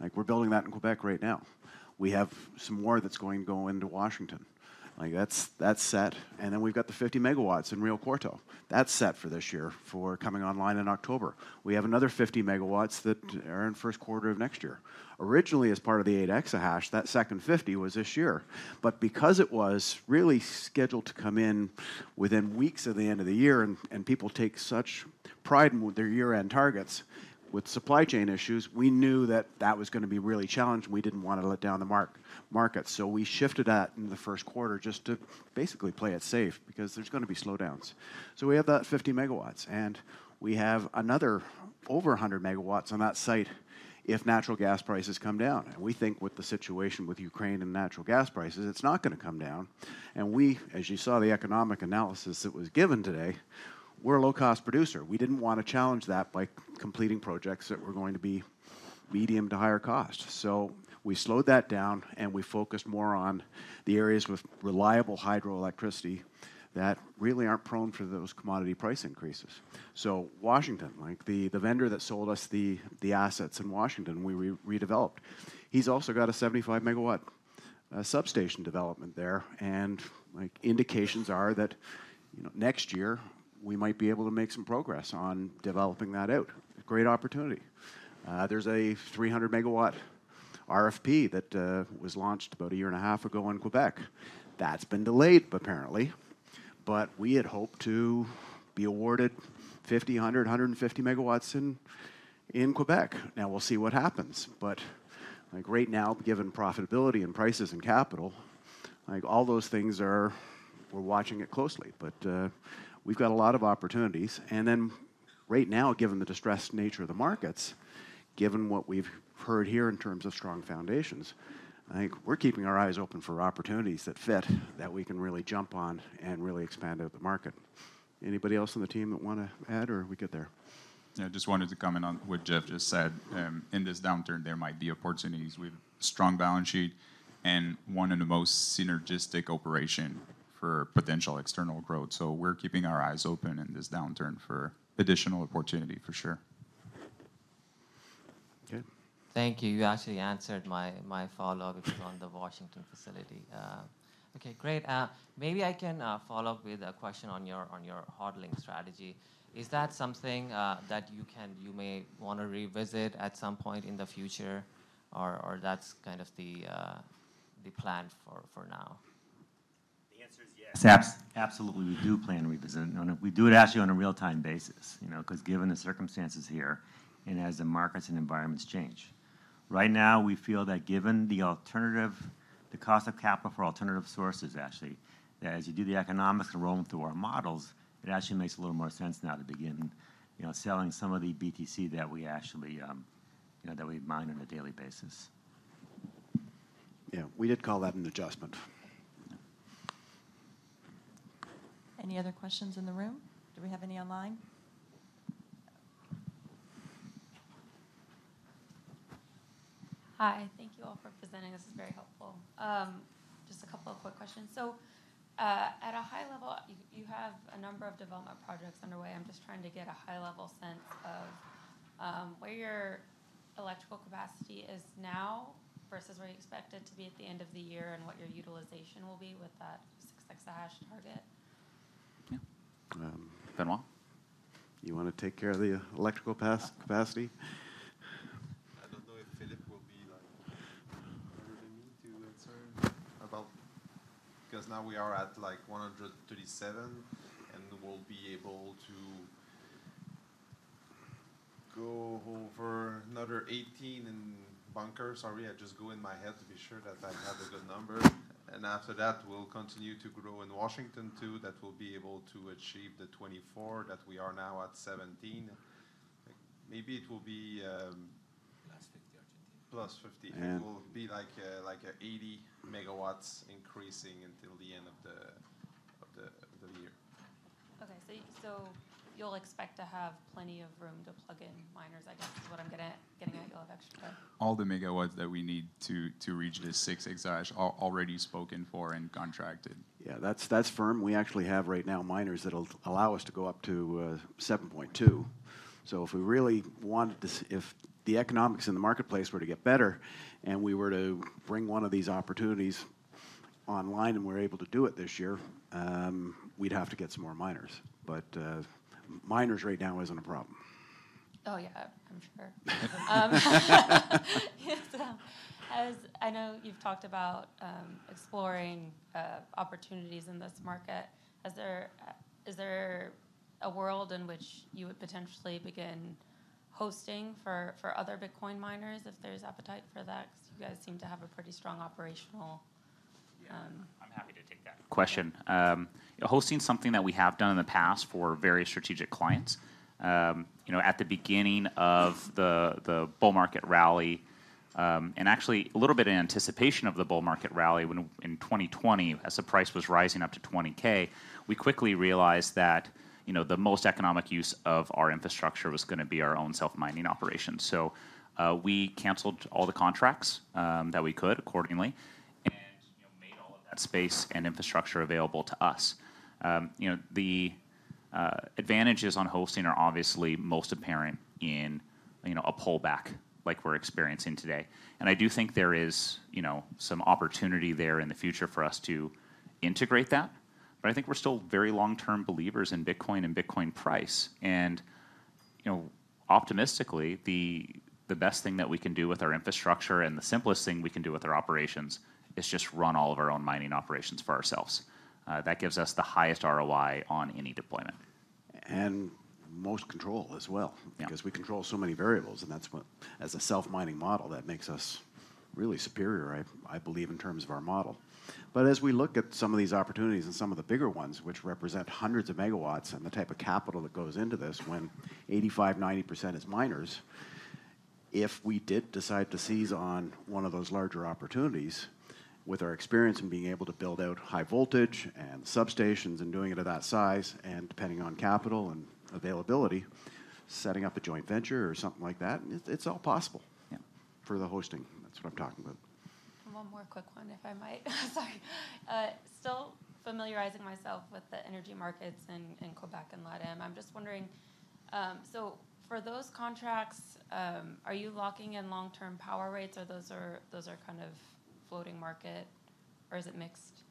Like, we're building that in Québec right now. We have some more that's going to go into Washington. Like, that's set. We've got the 50 MW in Río Cuarto. That's set for this year for coming online in October. We have another 50 MW that are in first quarter of next year. Originally, as part of the 8 EH, that second 50 was this year. Because it was really scheduled to come in within weeks of the end of the year and people take such pride in their year-end targets, with supply chain issues, we knew that was gonna be really challenged and we didn't wanna let down the market. We shifted that into the first quarter just to basically play it safe, because there's gonna be slowdowns. We have that 50 MW, and we have another over 100 MW on that site if natural gas prices come down. We think with the situation with Ukraine and natural gas prices, it's not gonna come down. We, as you saw the economic analysis that was given today, we're a low-cost producer. We didn't wanna challenge that by completing projects that were going to be medium to higher cost. We slowed that down and we focused more on the areas with reliable hydroelectricity that really aren't prone to those commodity price increases. Washington, like the vendor that sold us the assets in Washington we redeveloped, he's also got a 75 MW substation development there. Indications are that, you know, next year we might be able to make some progress on developing that out. A great opportunity. There's a 300 MW RFP that was launched about a year and a half ago in Québec. That's been delayed apparently, but we had hoped to be awarded 50, 100, 150 MW in Québec. Now we'll see what happens. Like, right now, given profitability and prices and capital, like, all those things are. We're watching it closely. We've got a lot of opportunities. Right now, given the distressed nature of the markets, given what we've heard here in terms of strong foundations, I think we're keeping our eyes open for opportunities that fit that we can really jump on and really expand out the market. Anybody else on the team that wanna add or are we good there?
Yeah. I just wanted to comment on what Jeff just said. In this downturn, there might be opportunities. We have a strong balance sheet and one of the most synergistic operation for potential external growth. We're keeping our eyes open in this downturn for additional opportunity, for sure.
Good.
Thank you. You actually answered my follow-up which was on the Washington facility. Okay, great. Maybe I can follow up with a question on your HODL Strategy. Is that something that you may wanna revisit at some point in the future? Or that's kind of the plan for now?
The answer is yes.
It's absolutely, we do plan to revisit. We do it actually on a real-time basis, you know, 'cause given the circumstances here and as the markets and environments change. Right now, we feel that given the alternative, the cost of capital for alternative sources actually, as you do the economics and run them through our models, it actually makes a little more sense now to begin, you know, selling some of the BTC that we actually, you know, that we mine on a daily basis.
Yeah. We did call that an adjustment.
Any other questions in the room? Do we have any online?
Hi. Thank you all for presenting. This is very helpful. Just a couple of quick questions. At a high level, you have a number of development projects underway. I'm just trying to get a high level sense of where your electrical capacity is now versus where you expect it to be at the end of the year, and what your utilization will be with that 6 EH target.
Yeah.
Um-
Benoît?
You wanna take care of the electrical past capacity?
I don't know if Philippe will be like willing me to answer about. Because now we are at like 137, and we'll be able to go over another 18 in Bunker. Sorry, I just go in my head to be sure that I have the good number. After that, we'll continue to grow in Washington too. That will be able to achieve the 24, that we are now at 17. Maybe it will be.
Plus 50 or 20.
plus 50.
And-
It will be like a 80 MW increasing until the end of the year.
Okay. You'll expect to have plenty of room to plug in miners, I guess, is what I'm getting at. You'll have extra capacity.
All the megawatts that we need to reach the 6 EH are already spoken for and contracted.
Yeah. That's firm. We actually have right now miners that'll allow us to go up to 7.2 EH. If we really wanted to, if the economics in the marketplace were to get better and we were to bring one of these opportunities online and we're able to do it this year, we'd have to get some more miners. Miners right now isn't a problem.
Oh, yeah. I'm sure. Yeah, so as I know you've talked about exploring opportunities in this market. Is there a world in which you would potentially begin hosting for other Bitcoin miners if there's appetite for that? 'Cause you guys seem to have a pretty strong operational
Yeah, I'm happy to take that question. Hosting's something that we have done in the past for various strategic clients. You know, at the beginning of the bull market rally, and actually a little bit in anticipation of the bull market rally in 2020, as the price was rising up to $20K, we quickly realized that, you know, the most economic use of our infrastructure was gonna be our own self-mining operations. So, we canceled all the contracts that we could accordingly, and, you know, made all of that space and infrastructure available to us. You know, the advantages on hosting are obviously most apparent in, you know, a pullback like we're experiencing today. I do think there is, you know, some opportunity there in the future for us to integrate that. I think we're still very long-term believers in Bitcoin and Bitcoin price. You know, optimistically, the best thing that we can do with our infrastructure and the simplest thing we can do with our operations is just run all of our own mining operations for ourselves. That gives us the highest ROI on any deployment.
Most control as well.
Yeah
Because we control so many variables, and that's what, as a self-mining model, that makes us really superior, I believe, in terms of our model. As we look at some of these opportunities and some of the bigger ones, which represent hundreds of megawatts and the type of capital that goes into this when 85%, 90% is miners, if we did decide to seize on one of those larger opportunities, with our experience in being able to build out high voltage and substations and doing it at that size, and depending on capital and availability, setting up a joint venture or something like that, it's all possible.
Yeah
for the hosting. That's what I'm talking about.
One more quick one if I might. Sorry. Still familiarizing myself with the energy markets in Québec and LATAM. I'm just wondering, so for those contracts, are you locking in long-term power rates, or those are kind of floating market, or is it mixed?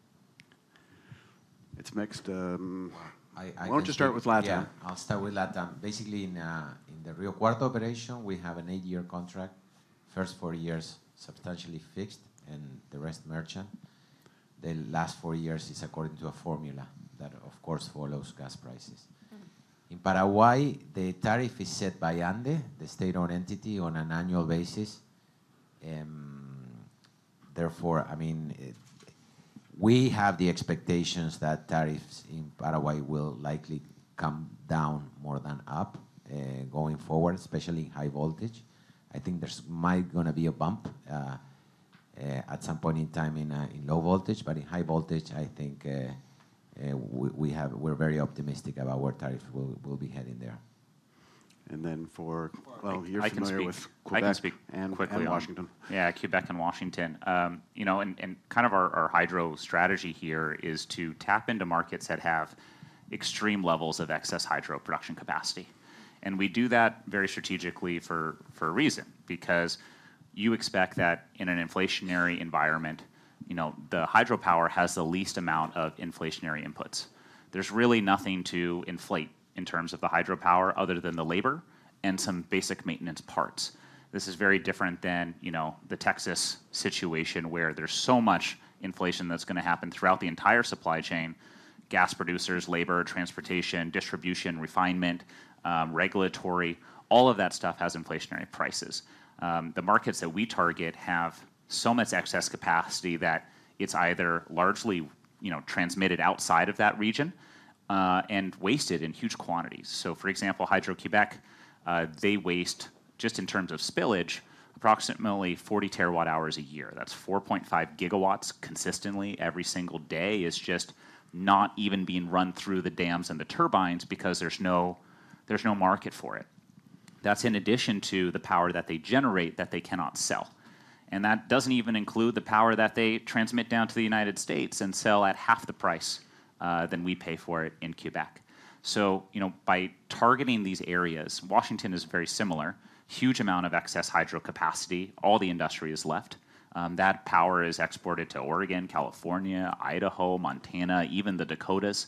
It's mixed.
I can-
Why don't you start with LATAM?
Yeah, I'll start with LATAM. Basically, in the Río Cuarto operation, we have an eight-year contract. First four years substantially fixed and the rest merchant. The last four years is according to a formula that, of course, follows gas prices.
Mm-hmm.
In Paraguay, the tariff is set by ANDE, the state-owned entity, on an annual basis. Therefore, I mean, we have the expectations that tariffs in Paraguay will likely come down more than up, going forward, especially in high voltage. I think there might be a bump at some point in time in low voltage. In high voltage, I think we're very optimistic about where tariff will be heading there.
Well, you're familiar with
I can speak quickly on.
Québec and Washington.
Yeah, Québec and Washington. You know, and kind of our hydro strategy here is to tap into markets that have extreme levels of excess hydro production capacity. We do that very strategically for a reason, because you expect that in an inflationary environment, you know, the hydropower has the least amount of inflationary inputs. There's really nothing to inflate in terms of the hydropower other than the labor and some basic maintenance parts. This is very different than, you know, the Texas situation, where there's so much inflation that's gonna happen throughout the entire supply chain. Gas producers, labor, transportation, distribution, refinement, regulatory, all of that stuff has inflationary prices. The markets that we target have so much excess capacity that it's either largely, you know, transmitted outside of that region, and wasted in huge quantities. For example, Hydro-Québec, they waste, just in terms of spillage, approximately 40 TWh a year. That's 4.5 GW consistently every single day is just not even being run through the dams and the turbines because there's no market for it. That's in addition to the power that they generate that they cannot sell. That doesn't even include the power that they transmit down to the United States and sell at half the price than we pay for it in Québec. You know, by targeting these areas. Washington is very similar. Huge amount of excess hydro capacity. All the industry has left. That power is exported to Oregon, California, Idaho, Montana, even the Dakotas.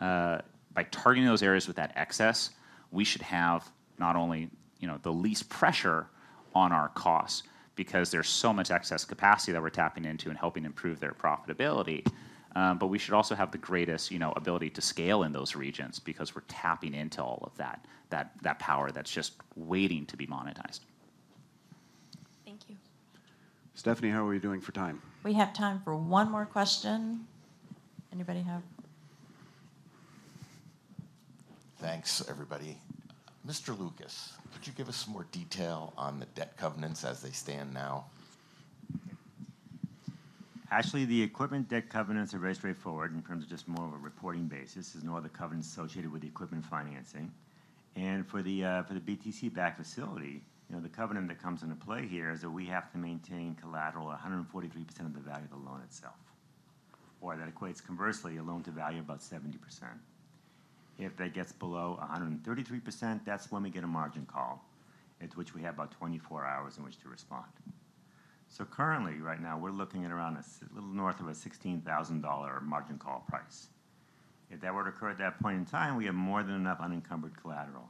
By targeting those areas with that excess, we should have not only, you know, the least pressure on our costs because there's so much excess capacity that we're tapping into and helping improve their profitability, but we should also have the greatest, you know, ability to scale in those regions because we're tapping into all of that that power that's just waiting to be monetized.
Thank you.
Stephanie, how are we doing for time?
We have time for one more question. Anybody have
Thanks, everybody. Mr. Lucas, could you give us some more detail on the debt covenants as they stand now?
Actually, the equipment debt covenants are very straightforward in terms of just more of a reporting basis. There's no other covenants associated with the equipment financing. For the BTC-backed facility, you know, the covenant that comes into play here is that we have to maintain collateral 143% of the value of the loan itself, or that equates conversely a loan-to-value about 70%. If that gets below 133%, that's when we get a margin call into which we have about 24 hours in which to respond. Currently, right now, we're looking at around a little north of a $16,000 margin call price. If that were to occur at that point in time, we have more than enough unencumbered collateral,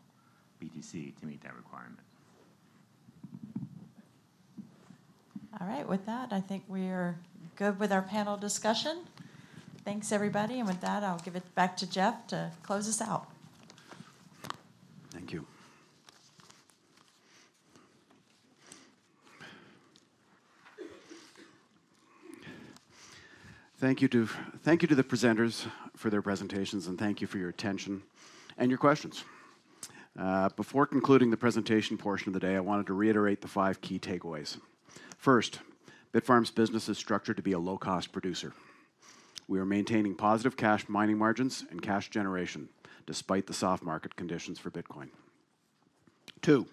BTC, to meet that requirement.
All right. With that, I think we're good with our panel discussion. Thanks, everybody. I'll give it back to Jeff to close us out.
Thank you to the presenters for their presentations, and thank you for your attention and your questions. Before concluding the presentation portion of the day, I wanted to reiterate the five key takeaways. First, Bitfarms's business is structured to be a low-cost producer. We are maintaining positive cash mining margins and cash generation despite the soft market conditions for Bitcoin. Two,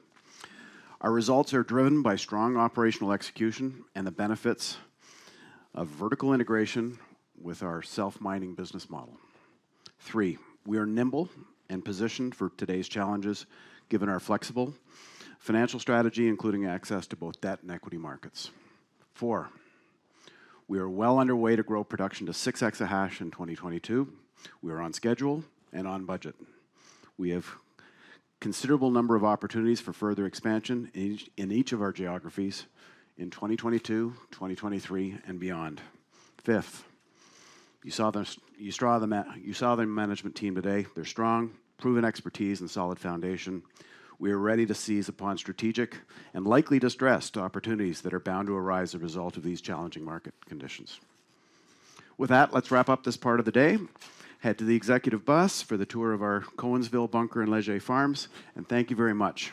our results are driven by strong operational execution and the benefits of vertical integration with our self-mining business model. Three, we are nimble and positioned for today's challenges given our flexible financial strategy, including access to both debt and equity markets. Four, we are well underway to grow production to 6 EH in 2022. We are on schedule and on budget. We have considerable number of opportunities for further expansion in each of our geographies in 2022, 2023, and beyond. Fifth, you saw the management team today, their strong, proven expertise, and solid foundation. We are ready to seize upon strategic and likely distressed opportunities that are bound to arise as a result of these challenging market conditions. With that, let's wrap up this part of the day. Head to the executive bus for the tour of our Cowansville Bunker and Léger farms, and thank you very much.